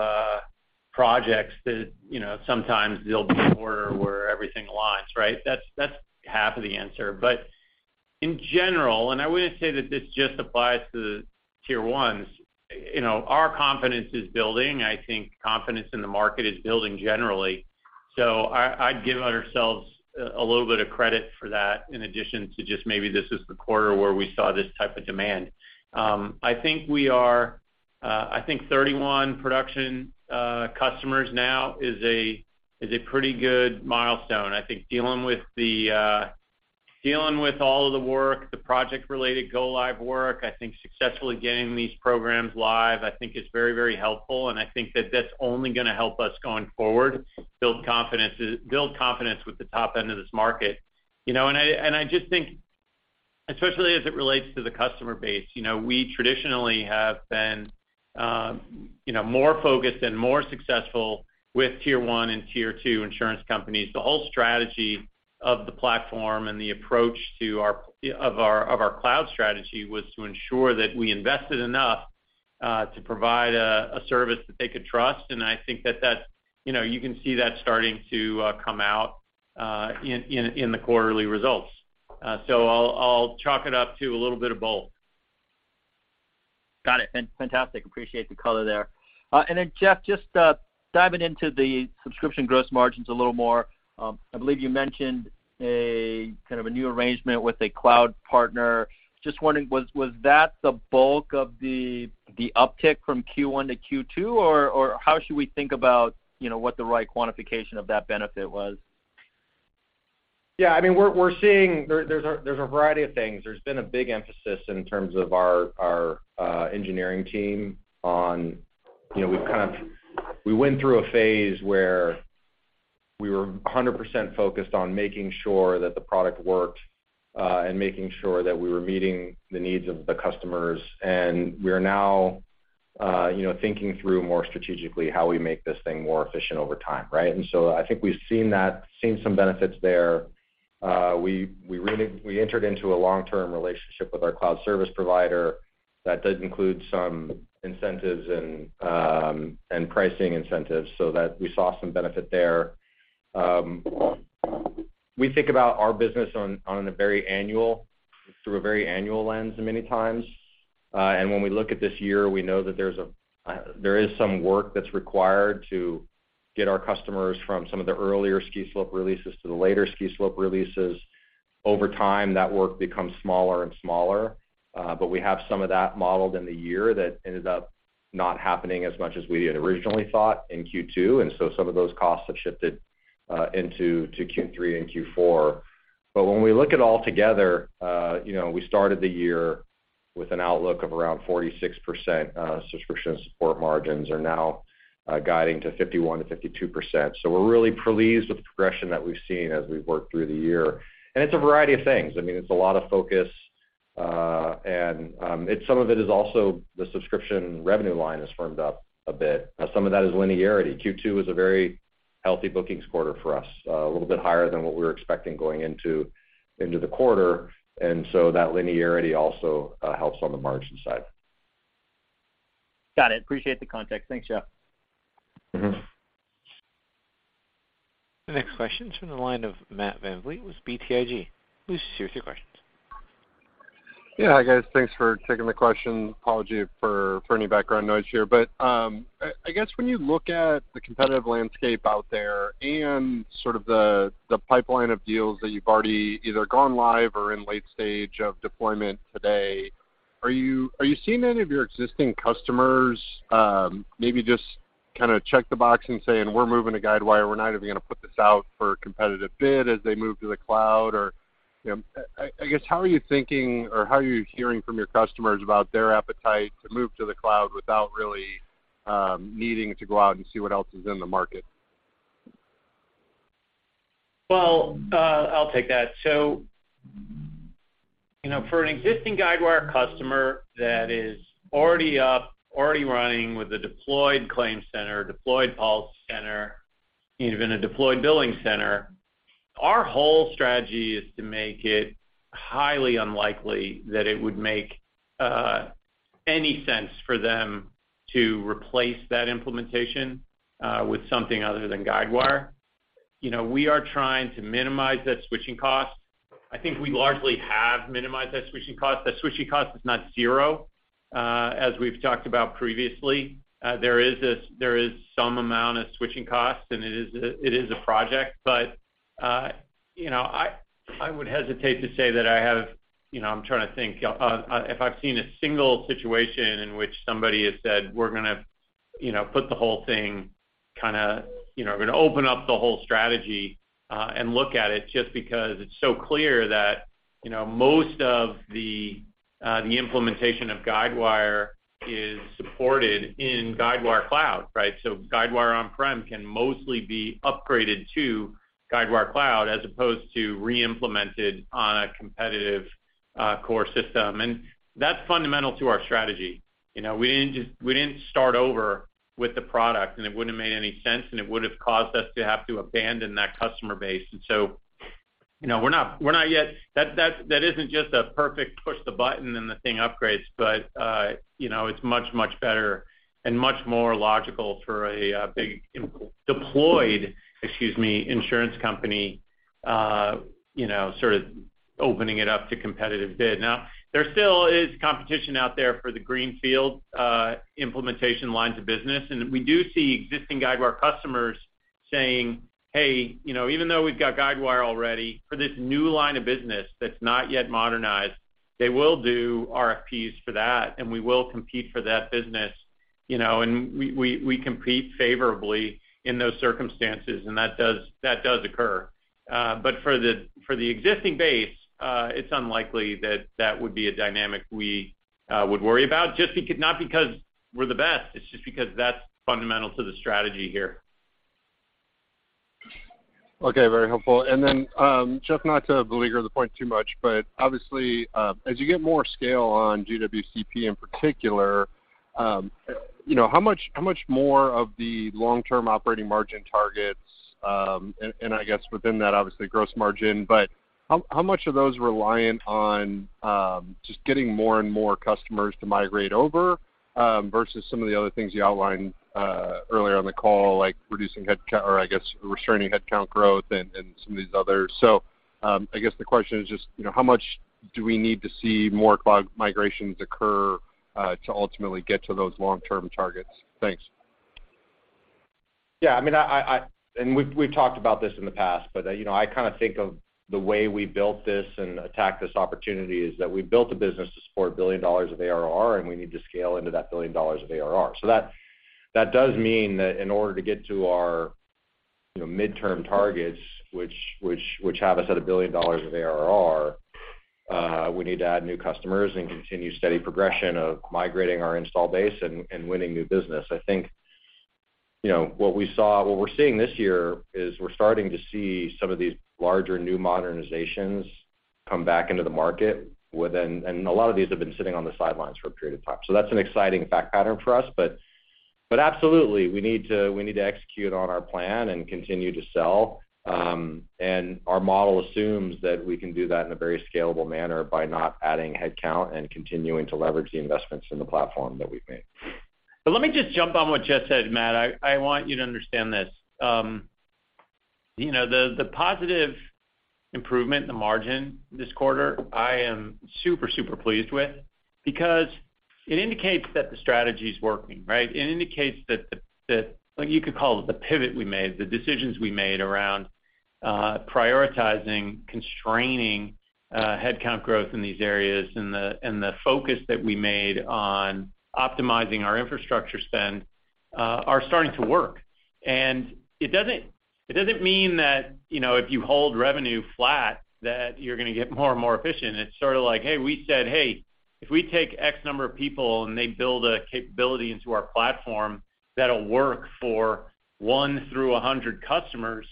projects that, you know, sometimes there'll be a quarter where everything aligns, right? That's, that's half of the answer. In general, and I wouldn't say that this just applies to Tier 1s, you know, our confidence is building. I think confidence in the market is building generally. I'd give ourselves a little bit of credit for that in addition to just maybe this is the quarter where we saw this type of demand. I think 31 production customers now is a pretty good milestone. I think dealing with the dealing with all of the work, the project-related go live work, I think successfully getting these programs live, I think is very, very helpful, and I think that that's only gonna help us going forward build confidence with the top end of this market. You know, and I, and I just think, especially as it relates to the customer base, you know, we traditionally have been, you know, more focused and more successful with Tier 1 and Tier 2 insurance companies. The whole strategy of the platform and the approach of our cloud strategy was to ensure that we invested enough to provide a service that they could trust. I think that that's, you know, you can see that starting to come out in the quarterly results. I'll chalk it up to a little bit of both. Got it. Fantastic. Appreciate the color there. Jeff, just, diving into the subscription gross margins a little more, I believe you mentioned a kind of a new arrangement with a cloud partner. Just wondering, was that the bulk of the uptick from Q1 to Q2, or how should we think about, you know, what the right quantification of that benefit was? Yeah, I mean, we're seeing there's a variety of things. There's been a big emphasis in terms of our engineering team on, you know, we went through a phase where we were 100% focused on making sure that the product worked and making sure that we were meeting the needs of the customers. We are now, you know, thinking through more strategically how we make this thing more efficient over time, right? I think we've seen that, seen some benefits there. We entered into a long-term relationship with our cloud service provider that does include some incentives and pricing incentives so that we saw some benefit there. We think about our business on a very annual, through a very annual lens many times. When we look at this year, we know that there is some work that's required to get our customers from some of the earlier ski slope releases to the later ski slope releases. Over time, that work becomes smaller and smaller, we have some of that modeled in the year that ended up not happening as much as we had originally thought in Q2, some of those costs have shifted into Q3 and Q4. When we look at all together, you know, we started the year with an outlook of around 46%, subscription support margins are now guiding to 51%-52%. We're really pleased with the progression that we've seen as we've worked through the year. It's a variety of things. I mean, it's a lot of focus, and some of it is also the subscription revenue line has firmed up a bit. Now some of that is linearity. Q2 was a very healthy bookings quarter for us, a little bit higher than what we were expecting going into the quarter. That linearity also helps on the margin side. Got it. Appreciate the context. Thanks, Jeff. Mm-hmm. The next question is from the line of Matt VanVliet with BTIG. Please proceed with your questions. Yeah. Hi, guys. Thanks for taking the question. Apology for any background noise here. I guess when you look at the competitive landscape out there and sort of the pipeline of deals that you've already either gone live or in late stage of deployment today, are you seeing any of your existing customers, maybe just kinda check the box and say, "We're moving to Guidewire. We're not even gonna put this out for a competitive bid," as they move to the cloud? You know, I guess, how are you thinking or how are you hearing from your customers about their appetite to move to the cloud without really needing to go out and see what else is in the market? Well, I'll take that. You know, for an existing Guidewire customer that is already up, already running with a deployed ClaimCenter, deployed PolicyCenter, even a deployed BillingCenter, our whole strategy is to make it highly unlikely that it would make any sense for them to replace that implementation with something other than Guidewire. You know, we are trying to minimize that switching cost. I think we largely have minimized that switching cost. That switching cost is not zero. As we've talked about previously, there is some amount of switching costs, and it is a, it is a project. You know, I would hesitate to say that I have... You know, I'm trying to think if I've seen a single situation in which somebody has said, "We're gonna, you know, put the whole thing kinda, you know, we're gonna open up the whole strategy and look at it," just because it's so clear that, you know, most of the implementation of Guidewire is supported in Guidewire Cloud, right? Guidewire On-Prem can mostly be upgraded to Guidewire Cloud as opposed to re-implemented on a competitive core system. That's fundamental to our strategy. You know, we didn't start over with the product, and it wouldn't have made any sense, and it would've caused us to have to abandon that customer base. You know, we're not, we're not yet... That isn't just a perfect push the button and the thing upgrades, but, you know, it's much, much better and much more logical for a big deployed, excuse me, insurance company, you know, sort of opening it up to competitive bid. Now, there still is competition out there for the greenfield implementation lines of business. And we do see existing Guidewire customers saying, "Hey, you know, even though we've got Guidewire already, for this new line of business that's not yet modernized," they will do RFPs for that, and we will compete for that business, you know, and we compete favorably in those circumstances, and that does occur. But for the existing base, it's unlikely that that would be a dynamic we would worry about. Just not because we're the best, it's just because that's fundamental to the strategy here. Okay, very helpful. Then, Jeff, not to belabor the point too much, but obviously, as you get more scale on GWCP in particular, you know, how much more of the long-term operating margin targets, and I guess within that, obviously gross margin, but how much of those are reliant on just getting more and more customers to migrate over, versus some of the other things you outlined earlier on the call, like reducing headcount, or I guess restraining headcount growth and some of these others? I guess the question is just, you know, how much do we need to see more cloud migrations occur to ultimately get to those long-term targets? Thanks. Yeah, I mean, we've talked about this in the past, but, you know, I kind of think of the way we built this and attacked this opportunity is that we built a business to support $1 billion of ARR, and we need to scale into that $1 billion of ARR. That does mean that in order to get to our, you know, midterm targets, which have us at $1 billion of ARR, we need to add new customers and continue steady progression of migrating our install base and winning new business. I think, you know, what we're seeing this year is we're starting to see some of these larger new modernizations come back into the market. A lot of these have been sitting on the sidelines for a period of time. That's an exciting fact pattern for us. Absolutely, we need to execute on our plan and continue to sell. Our model assumes that we can do that in a very scalable manner by not adding headcount and continuing to leverage the investments in the platform that we've made. Let me just jump on what Jeff said, Matt. I want you to understand this. You know, the positive improvement in the margin this quarter, I am super pleased with because it indicates that the strategy is working, right? It indicates that the what you could call the pivot we made, the decisions we made around prioritizing constraining headcount growth in these areas and the focus that we made on optimizing our infrastructure spend are starting to work. It doesn't mean that, you know, if you hold revenue flat, that you're going to get more and more efficient. It's sort of like, hey, we said, "Hey, if we take X number of people and they build a capability into our platform that'll work for 1 through 100 customers,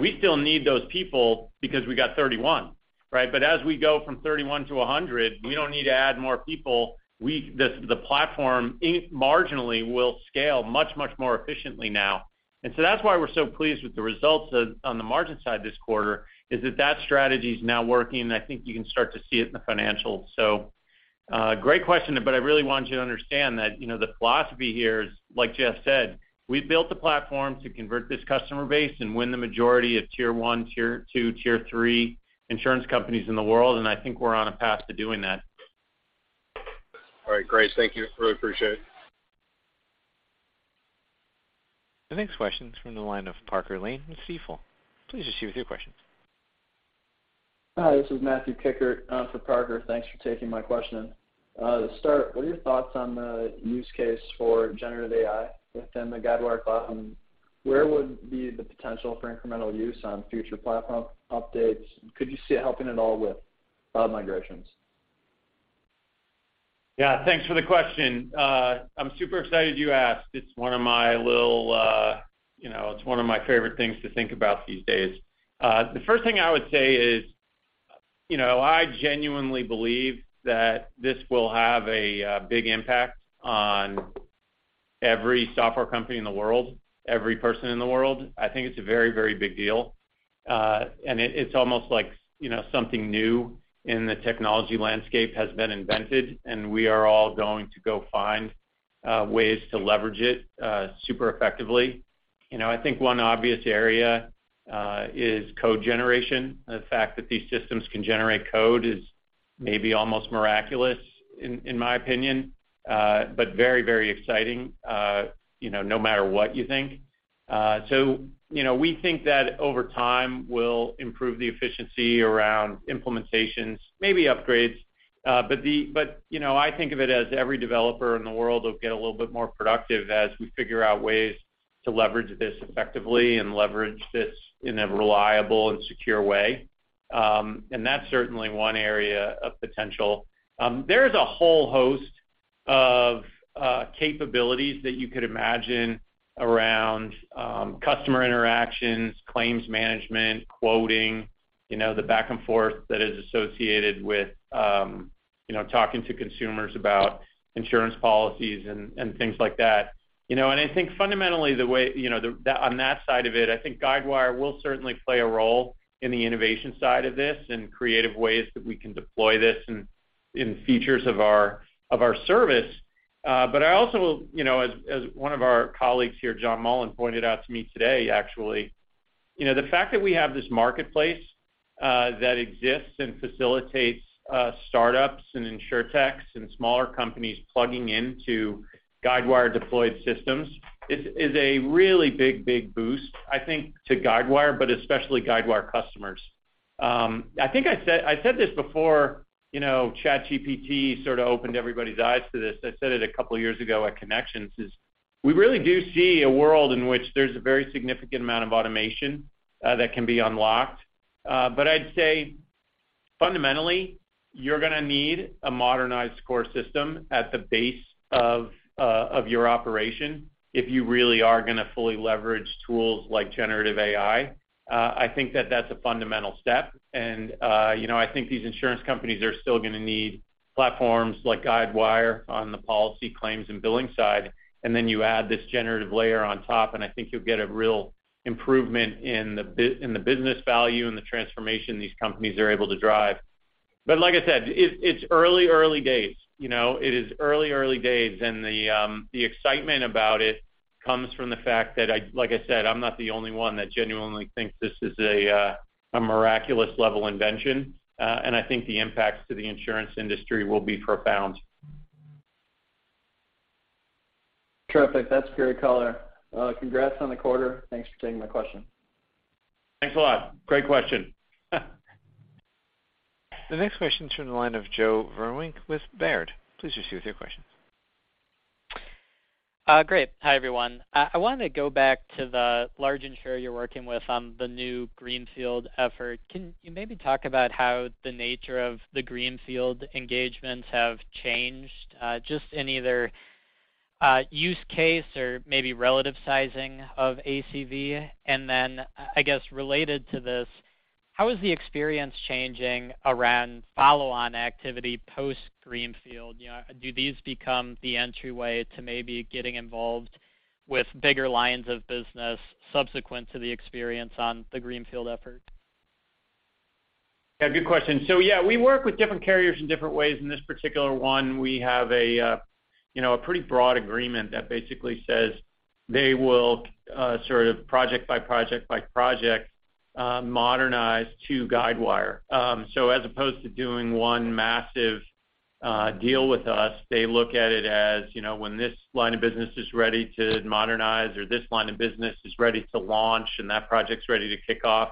we still need those people because we got 31, right? As we go from 31 to 100, we don't need to add more people. The platform, it marginally will scale much, much more efficiently now. That's why we're so pleased with the results on the margin side this quarter, is that that strategy is now working, and I think you can start to see it in the financials. Great question, but I really want you to understand that, you know, the philosophy here is, like Jeff said, we've built a platform to convert this customer base and win the majority of Tier 1, Tier 2, Tier 3 insurance companies in the world, and I think we're on a path to doing that. All right. Great. Thank you. Really appreciate it. The next question is from the line of Parker Lane with Stifel. Please proceed with your question. Hi, this is Matthew Kickert for Parker. Thanks for taking my question. To start, what are your thoughts on the use case for generative AI within the Guidewire platform? Where would be the potential for incremental use on future platform updates? Could you see it helping at all with cloud migrations? Yeah. Thanks for the question. I'm super excited you asked. It's one of my little, you know, it's one of my favorite things to think about these days. The first thing I would say is, you know, I genuinely believe that this will have a big impact on every software company in the world, every person in the world. I think it's a very, very big deal. It's almost like, you know, something new in the technology landscape has been invented, and we are all going to go find ways to leverage it super effectively. You know, I think one obvious area is code generation. The fact that these systems can generate code is maybe almost miraculous, in my opinion, but very, very exciting, you know, no matter what you think. You know, we think that over time we'll improve the efficiency around implementations, maybe upgrades. You know, I think of it as every developer in the world will get a little bit more productive as we figure out ways to leverage this effectively and leverage this in a reliable and secure way. That's certainly one area of potential. There is a whole host of capabilities that you could imagine around customer interactions, claims management, quoting, you know, the back and forth that is associated with, you know, talking to consumers about insurance policies and things like that. You know, I think fundamentally, on that side of it, I think Guidewire will certainly play a role in the innovation side of this and creative ways that we can deploy this in features of our, of our service. I also, you know, as one of our colleagues here, John Mullen, pointed out to me today, actually You know, the fact that we have this marketplace, that exists and facilitates, startups and insurtechs and smaller companies plugging into Guidewire deployed systems is a really big, big boost, I think, to Guidewire, but especially Guidewire customers. I think I said this before, you know, ChatGPT sort of opened everybody's eyes to this. I said it a couple years ago at Connections, is we really do see a world in which there's a very significant amount of automation, that can be unlocked. I'd say fundamentally, you're gonna need a modernized core system at the base of your operation if you really are gonna fully leverage tools like generative AI. I think that that's a fundamental step. You know, I think these insurance companies are still gonna need platforms like Guidewire on the policy claims and billing side, and then you add this generative layer on top, and I think you'll get a real improvement in the business value and the transformation these companies are able to drive. Like I said, it's early days. You know, it is early days, the excitement about it comes from the fact that like I said, I'm not the only one that genuinely thinks this is a miraculous level invention. I think the impacts to the insurance industry will be profound. Terrific. That's great color. Congrats on the quarter. Thanks for taking my question. Thanks a lot. Great question. The next question is from the line of Joe Vruwink with Baird. Please proceed with your question. Great. Hi, everyone. I wanted to go back to the large insurer you're working with on the new greenfield effort. Can you maybe talk about how the nature of the greenfield engagements have changed, just in either use case or maybe relative sizing of ACV? I guess related to this, how is the experience changing around follow-on activity post-greenfield? You know, do these become the entryway to maybe getting involved with bigger lines of business subsequent to the experience on the greenfield effort? Yeah, good question. Yeah, we work with different carriers in different ways. In this particular one, we have a, you know, a pretty broad agreement that basically says they will, sort of project by project by project, modernize to Guidewire. As opposed to doing one massive, deal with us, they look at it as, you know, when this line of business is ready to modernize or this line of business is ready to launch and that project's ready to kick off,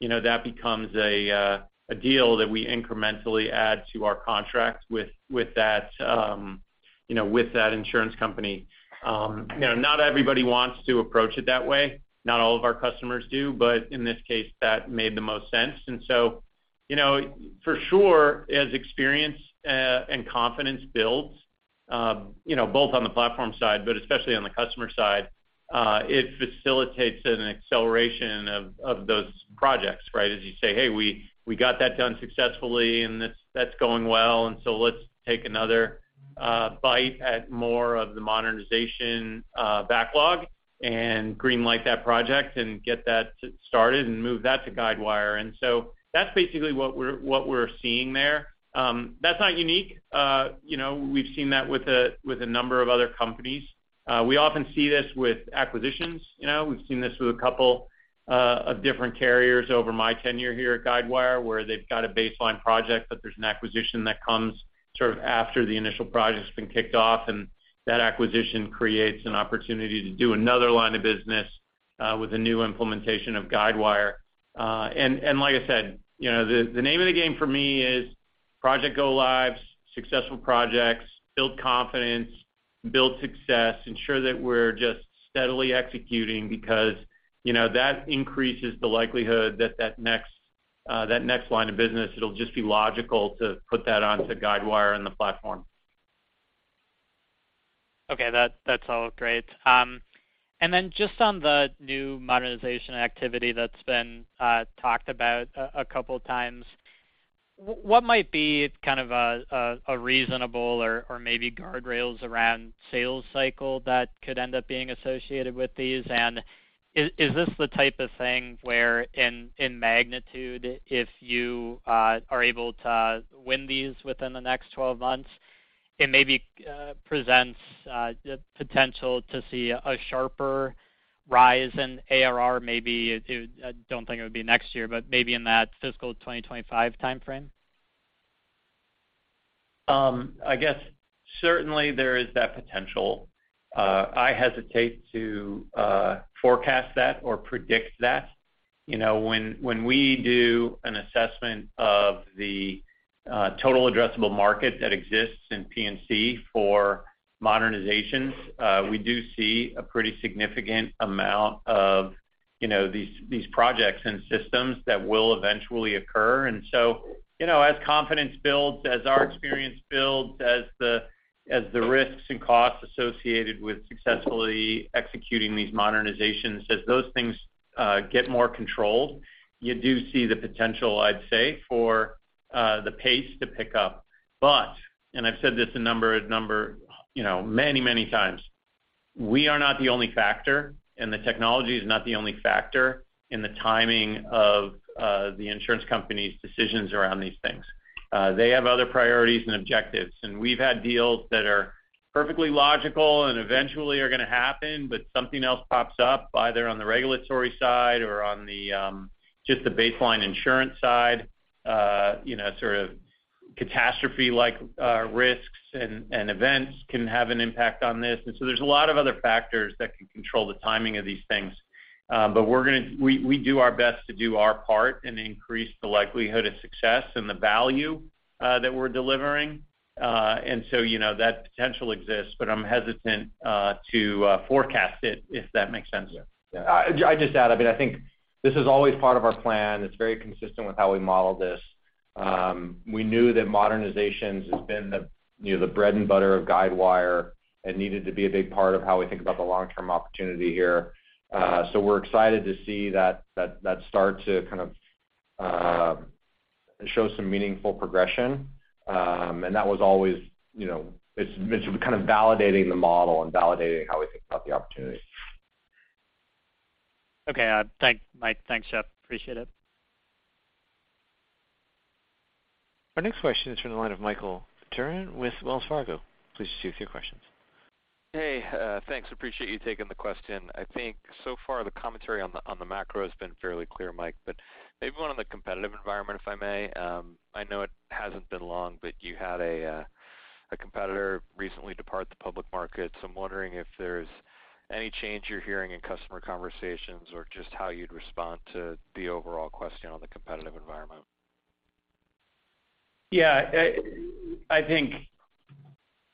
you know, that becomes a deal that we incrementally add to our contract with that, you know, with that insurance company. You know, not everybody wants to approach it that way. Not all of our customers do, but in this case, that made the most sense. You know, for sure, as experience and confidence builds, you know, both on the platform side, but especially on the customer side, it facilitates an acceleration of those projects, right? As you say, "Hey, we got that done successfully and that's going well, let's take another bite at more of the modernization backlog and green light that project and get that started and move that to Guidewire." That's basically what we're seeing there. That's not unique. You know, we've seen that with a number of other companies. We often see this with acquisitions. You know, we've seen this with a couple of different carriers over my tenure here at Guidewire, where they've got a baseline project, but there's an acquisition that comes sort of after the initial project's been kicked off, and that acquisition creates an opportunity to do another line of business with a new implementation of Guidewire. Like I said, you know, the name of the game for me is project go-lives, successful projects, build confidence, build success, ensure that we're just steadily executing because, you know, that increases the likelihood that that next line of business, it'll just be logical to put that onto Guidewire and the platform. Okay. That's all great. Then just on the new modernization activity that's been talked about a couple times. What might be kind of a reasonable or maybe guardrails around sales cycle that could end up being associated with these? Is this the type of thing where in magnitude, if you are able to win these within the next 12 months, it maybe presents the potential to see a sharper rise in ARR, I don't think it would be next year, but maybe in that fiscal 2025 timeframe? I guess certainly there is that potential. I hesitate to forecast that or predict that. You know, when we do an assessment of the total addressable market that exists in P&C for modernizations, we do see a pretty significant amount of, you know, these projects and systems that will eventually occur. You know, as confidence builds, as our experience builds, as the risks and costs associated with successfully executing these modernizations, as those things get more controlled, you do see the potential, I'd say, for the pace to pick up. I've said this a number, you know, many times, we are not the only factor, and the technology is not the only factor in the timing of the insurance company's decisions around these things. They have other priorities and objectives. We've had deals that are perfectly logical and eventually are gonna happen, but something else pops up either on the regulatory side or on the, just the baseline insurance side, you know, sort of catastrophe-like risks and events can have an impact on this. There's a lot of other factors that can control the timing of these things. We do our best to do our part and increase the likelihood of success and the value that we're delivering. You know, that potential exists, but I'm hesitant to forecast it, if that makes sense. Yeah. I just add, I mean, I think this is always part of our plan. It's very consistent with how we model this. We knew that modernizations has been the, you know, the bread and butter of Guidewire and needed to be a big part of how we think about the long-term opportunity here. We're excited to see that start to kind of show some meaningful progression. That was always, you know, it's kind of validating the model and validating how we think about the opportunity. Okay. thank Mike. Thanks, Jeff. Appreciate it. Our next question is from the line of Michael Turrin with Wells Fargo. Please proceed with your questions. Hey, thanks. Appreciate you taking the question. I think so far the commentary on the macro has been fairly clear, Mike, but maybe one on the competitive environment, if I may. I know it hasn't been long, but you had a competitor recently depart the public market. I'm wondering if there's any change you're hearing in customer conversations or just how you'd respond to the overall question on the competitive environment? Yeah. I think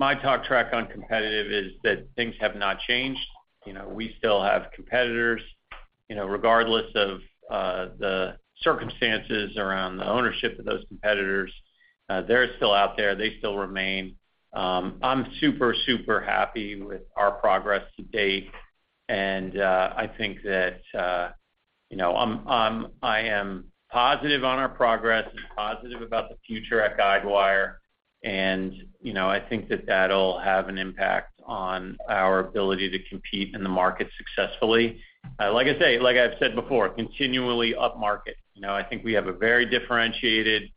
my talk track on competitive is that things have not changed. You know, we still have competitors, you know, regardless of the circumstances around the ownership of those competitors, they're still out there, they still remain. I'm super happy with our progress to date. I think that, you know, I am positive on our progress and positive about the future at Guidewire. You know, I think that that'll have an impact on our ability to compete in the market successfully. Like I say, like I've said before, continually upmarket. You know, I think we have a very differentiated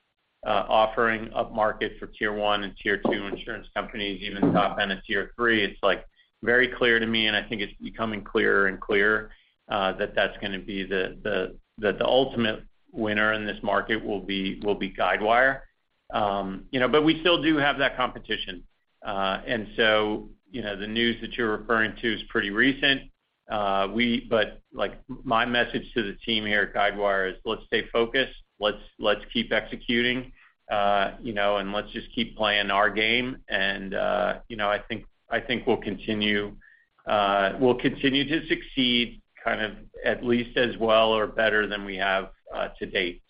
offering upmarket for Tier 1 and Tier 2 insurance companies, even top end of Tier 3. It's like very clear to me, and I think it's becoming clearer and clearer, that that's gonna be the ultimate winner in this market will be Guidewire. You know, we still do have that competition. You know, the news that you're referring to is pretty recent. Like, my message to the team here at Guidewire is, let's stay focused, let's keep executing, you know, let's just keep playing our game. You know, I think we'll continue to succeed kind of at least as well or better than we have to date.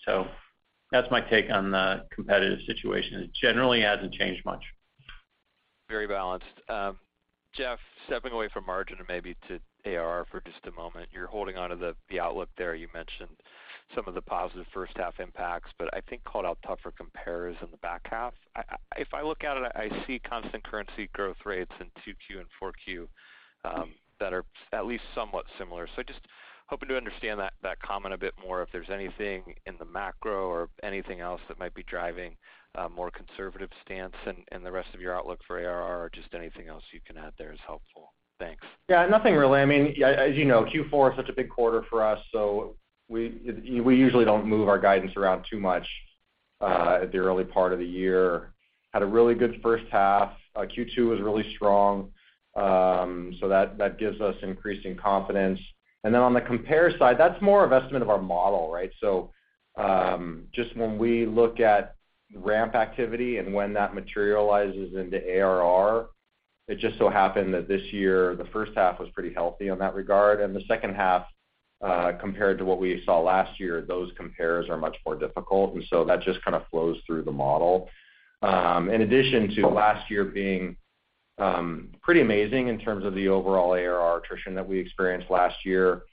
That's my take on the competitive situation. It generally hasn't changed much. Very balanced. Jeff, stepping away from margin and maybe to ARR for just a moment. You're holding onto the outlook there. You mentioned some of the positive first half impacts, but I think called out tougher compares in the back half. If I look at it, I see constant currency growth rates in 2Q and 4Q that are at least somewhat similar. Just hoping to understand that comment a bit more, if there's anything in the macro or anything else that might be driving a more conservative stance in the rest of your outlook for ARR or just anything else you can add there is helpful. Thanks. Yeah, nothing really. I mean, as you know, Q4 is such a big quarter for us, we usually don't move our guidance around too much at the early part of the year. Had a really good first half. Q2 was really strong, that gives us increasing confidence. On the compare side, that's more of estimate of our model, right? Just when we look at ramp activity and when that materializes into ARR, it just so happened that this year, the first half was pretty healthy in that regard. The second half, compared to what we saw last year, those compares are much more difficult. That just kind of flows through the model. In addition to last year being pretty amazing in terms of the overall ARR attrition that we experienced last year,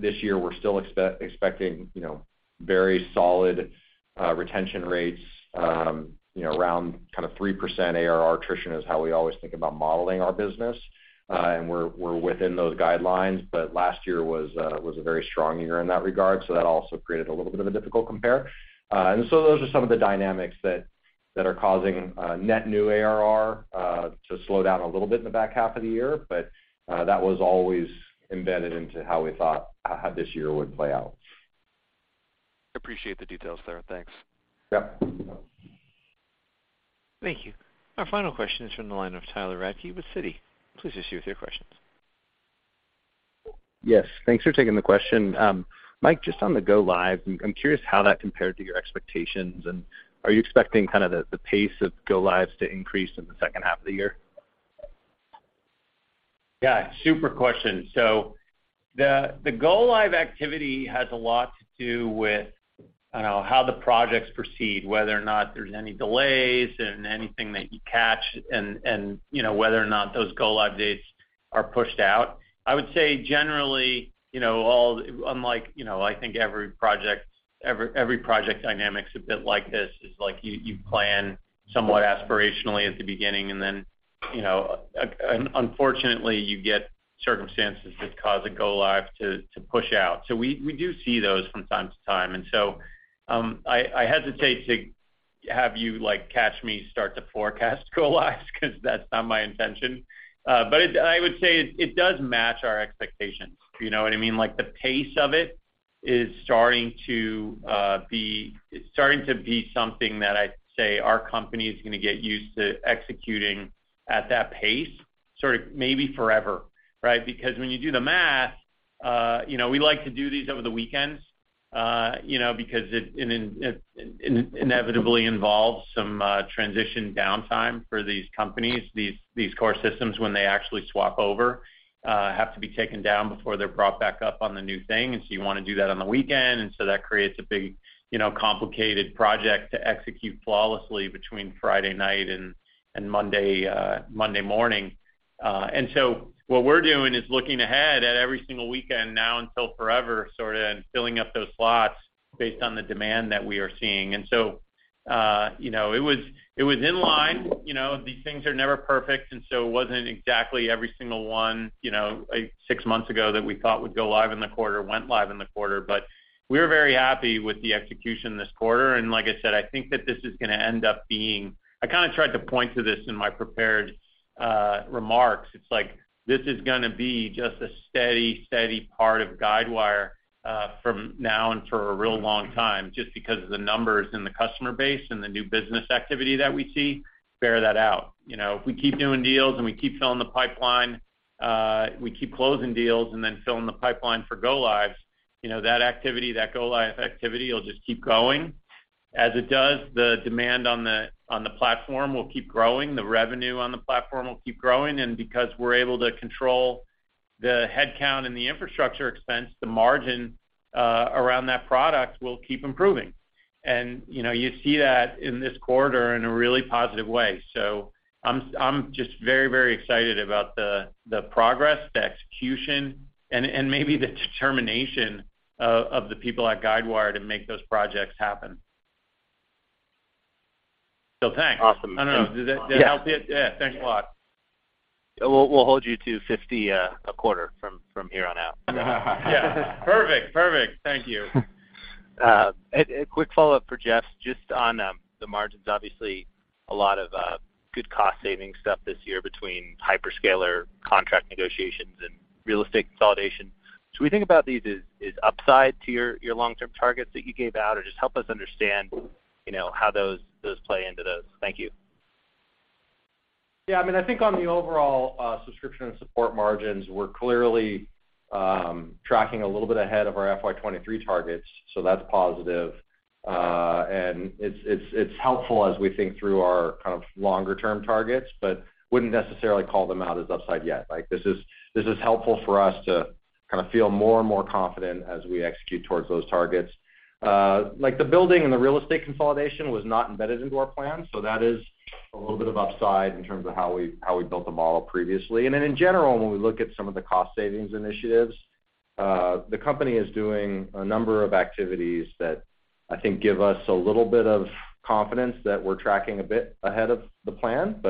this year, we're still expecting, you know, very solid retention rates, you know, around kind of 3% ARR attrition is how we always think about modeling our business. We're within those guidelines. Last year was a very strong year in that regard. That also created a little bit of a difficult compare. Those are some of the dynamics that are causing net new ARR to slow down a little bit in the back half of the year. That was always embedded into how we thought how this year would play out. Appreciate the details there. Thanks. Yep. Thank you. Our final question is from the line of Tyler Radke with Citi. Please proceed with your questions. Yes, thanks for taking the question. Mike, just on the go lives, I'm curious how that compared to your expectations. Are you expecting kind of the pace of go lives to increase in the second half of the year? Yeah, super question. The go-live activity has a lot to do with, I don't know, how the projects proceed, whether or not there's any delays and anything that you catch and, you know, whether or not those go-live dates are pushed out. I would say generally, you know, unlike, you know, I think every project dynamics a bit like this. It's like you plan somewhat aspirationally at the beginning. You know, unfortunately, you get circumstances that cause a go-live to push out. We do see those from time to time. I hesitate to have you, like, catch me start to forecast go-lives 'cause that's not my intention. I would say it does match our expectations. Do you know what I mean? Like, the pace of it is starting to be something that I'd say our company is gonna get used to executing at that pace sort of maybe forever, right? Because when you do the math, you know, we like to do these over the weekends, you know, because it, and then it inevitably involves some transition downtime for these companies. These core systems, when they actually swap over, have to be taken down before they're brought back up on the new thing. You wanna do that on the weekend. That creates a big, you know, complicated project to execute flawlessly between Friday night and Monday morning. What we're doing is looking ahead at every single weekend now until forever, sorta, and filling up those slots based on the demand that we are seeing. You know, it was, it was in line. You know, these things are never perfect. It wasn't exactly every single one, you know, six months ago that we thought would go live in the quarter went live in the quarter. We're very happy with the execution this quarter. Like I said, I think that this is gonna end up being. I kinda tried to point to this in my prepared remarks. It's like this is gonna be just a steady part of Guidewire, from now and for a real long time, just because of the numbers and the customer base and the new business activity that we see bear that out. You know, if we keep doing deals and we keep filling the pipeline, we keep closing deals and then filling the pipeline for go-lives, you know, that go-live activity will just keep going. As it does, the demand on the platform will keep growing, the revenue on the platform will keep growing. Because we're able to control the headcount and the infrastructure expense, the margin around that product will keep improving. You know, you see that in this quarter in a really positive way. I'm just very excited about the progress, the execution and maybe the determination of the people at Guidewire to make those projects happen. Thanks. Awesome. I don't know. Yeah. Did that help it? Yeah. Thanks a lot. We'll hold you to 50 a quarter from here on out. Yeah. Perfect. Perfect. Thank you. A quick follow-up for Jeff, just on the margins. Obviously, a lot of good cost-saving stuff this year between hyperscaler contract negotiations and real estate consolidation. Do we think about these as upside to your long-term targets that you gave out? Just help us understand, you know, how those play into those. Thank you. Yeah. I mean, I think on the overall, subscription and support margins, we're clearly tracking a little bit ahead of our FY 2023 targets. That's positive. It's, it's helpful as we think through our kind of longer-term targets. Wouldn't necessarily call them out as upside yet. Like, this is, this is helpful for us to kind of feel more and more confident as we execute towards those targets. Like, the building and the real estate consolidation was not embedded into our plan. That is a little bit of upside in terms of how we, how we built the model previously. In general, when we look at some of the cost savings initiatives, the company is doing a number of activities that I think give us a little bit of confidence that we're tracking a bit ahead of the plan.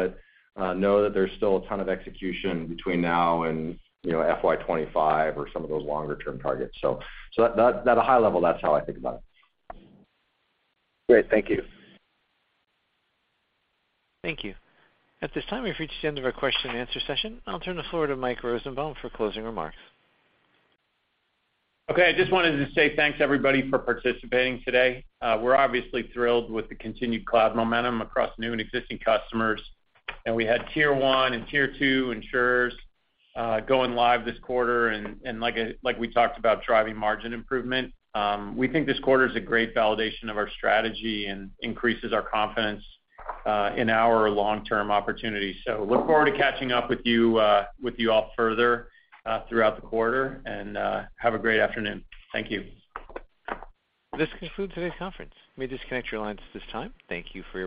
Know that there's still a ton of execution between now and, you know, FY 2025 or some of those longer-term targets. At a high level, that's how I think about it. Great. Thank you. Thank you. At this time, we've reached the end of our question and answer session. I'll turn the floor to Mike Rosenbaum for closing remarks. Okay. I just wanted to say thanks, everybody, for participating today. We're obviously thrilled with the continued cloud momentum across new and existing customers. We had Tier 1 and Tier 2 insurers going live this quarter. Like we talked about driving margin improvement, we think this quarter is a great validation of our strategy and increases our confidence in our long-term opportunities. Look forward to catching up with you with you all further throughout the quarter and have a great afternoon. Thank you. This concludes today's conference. You may disconnect your lines at this time. Thank you for your participation.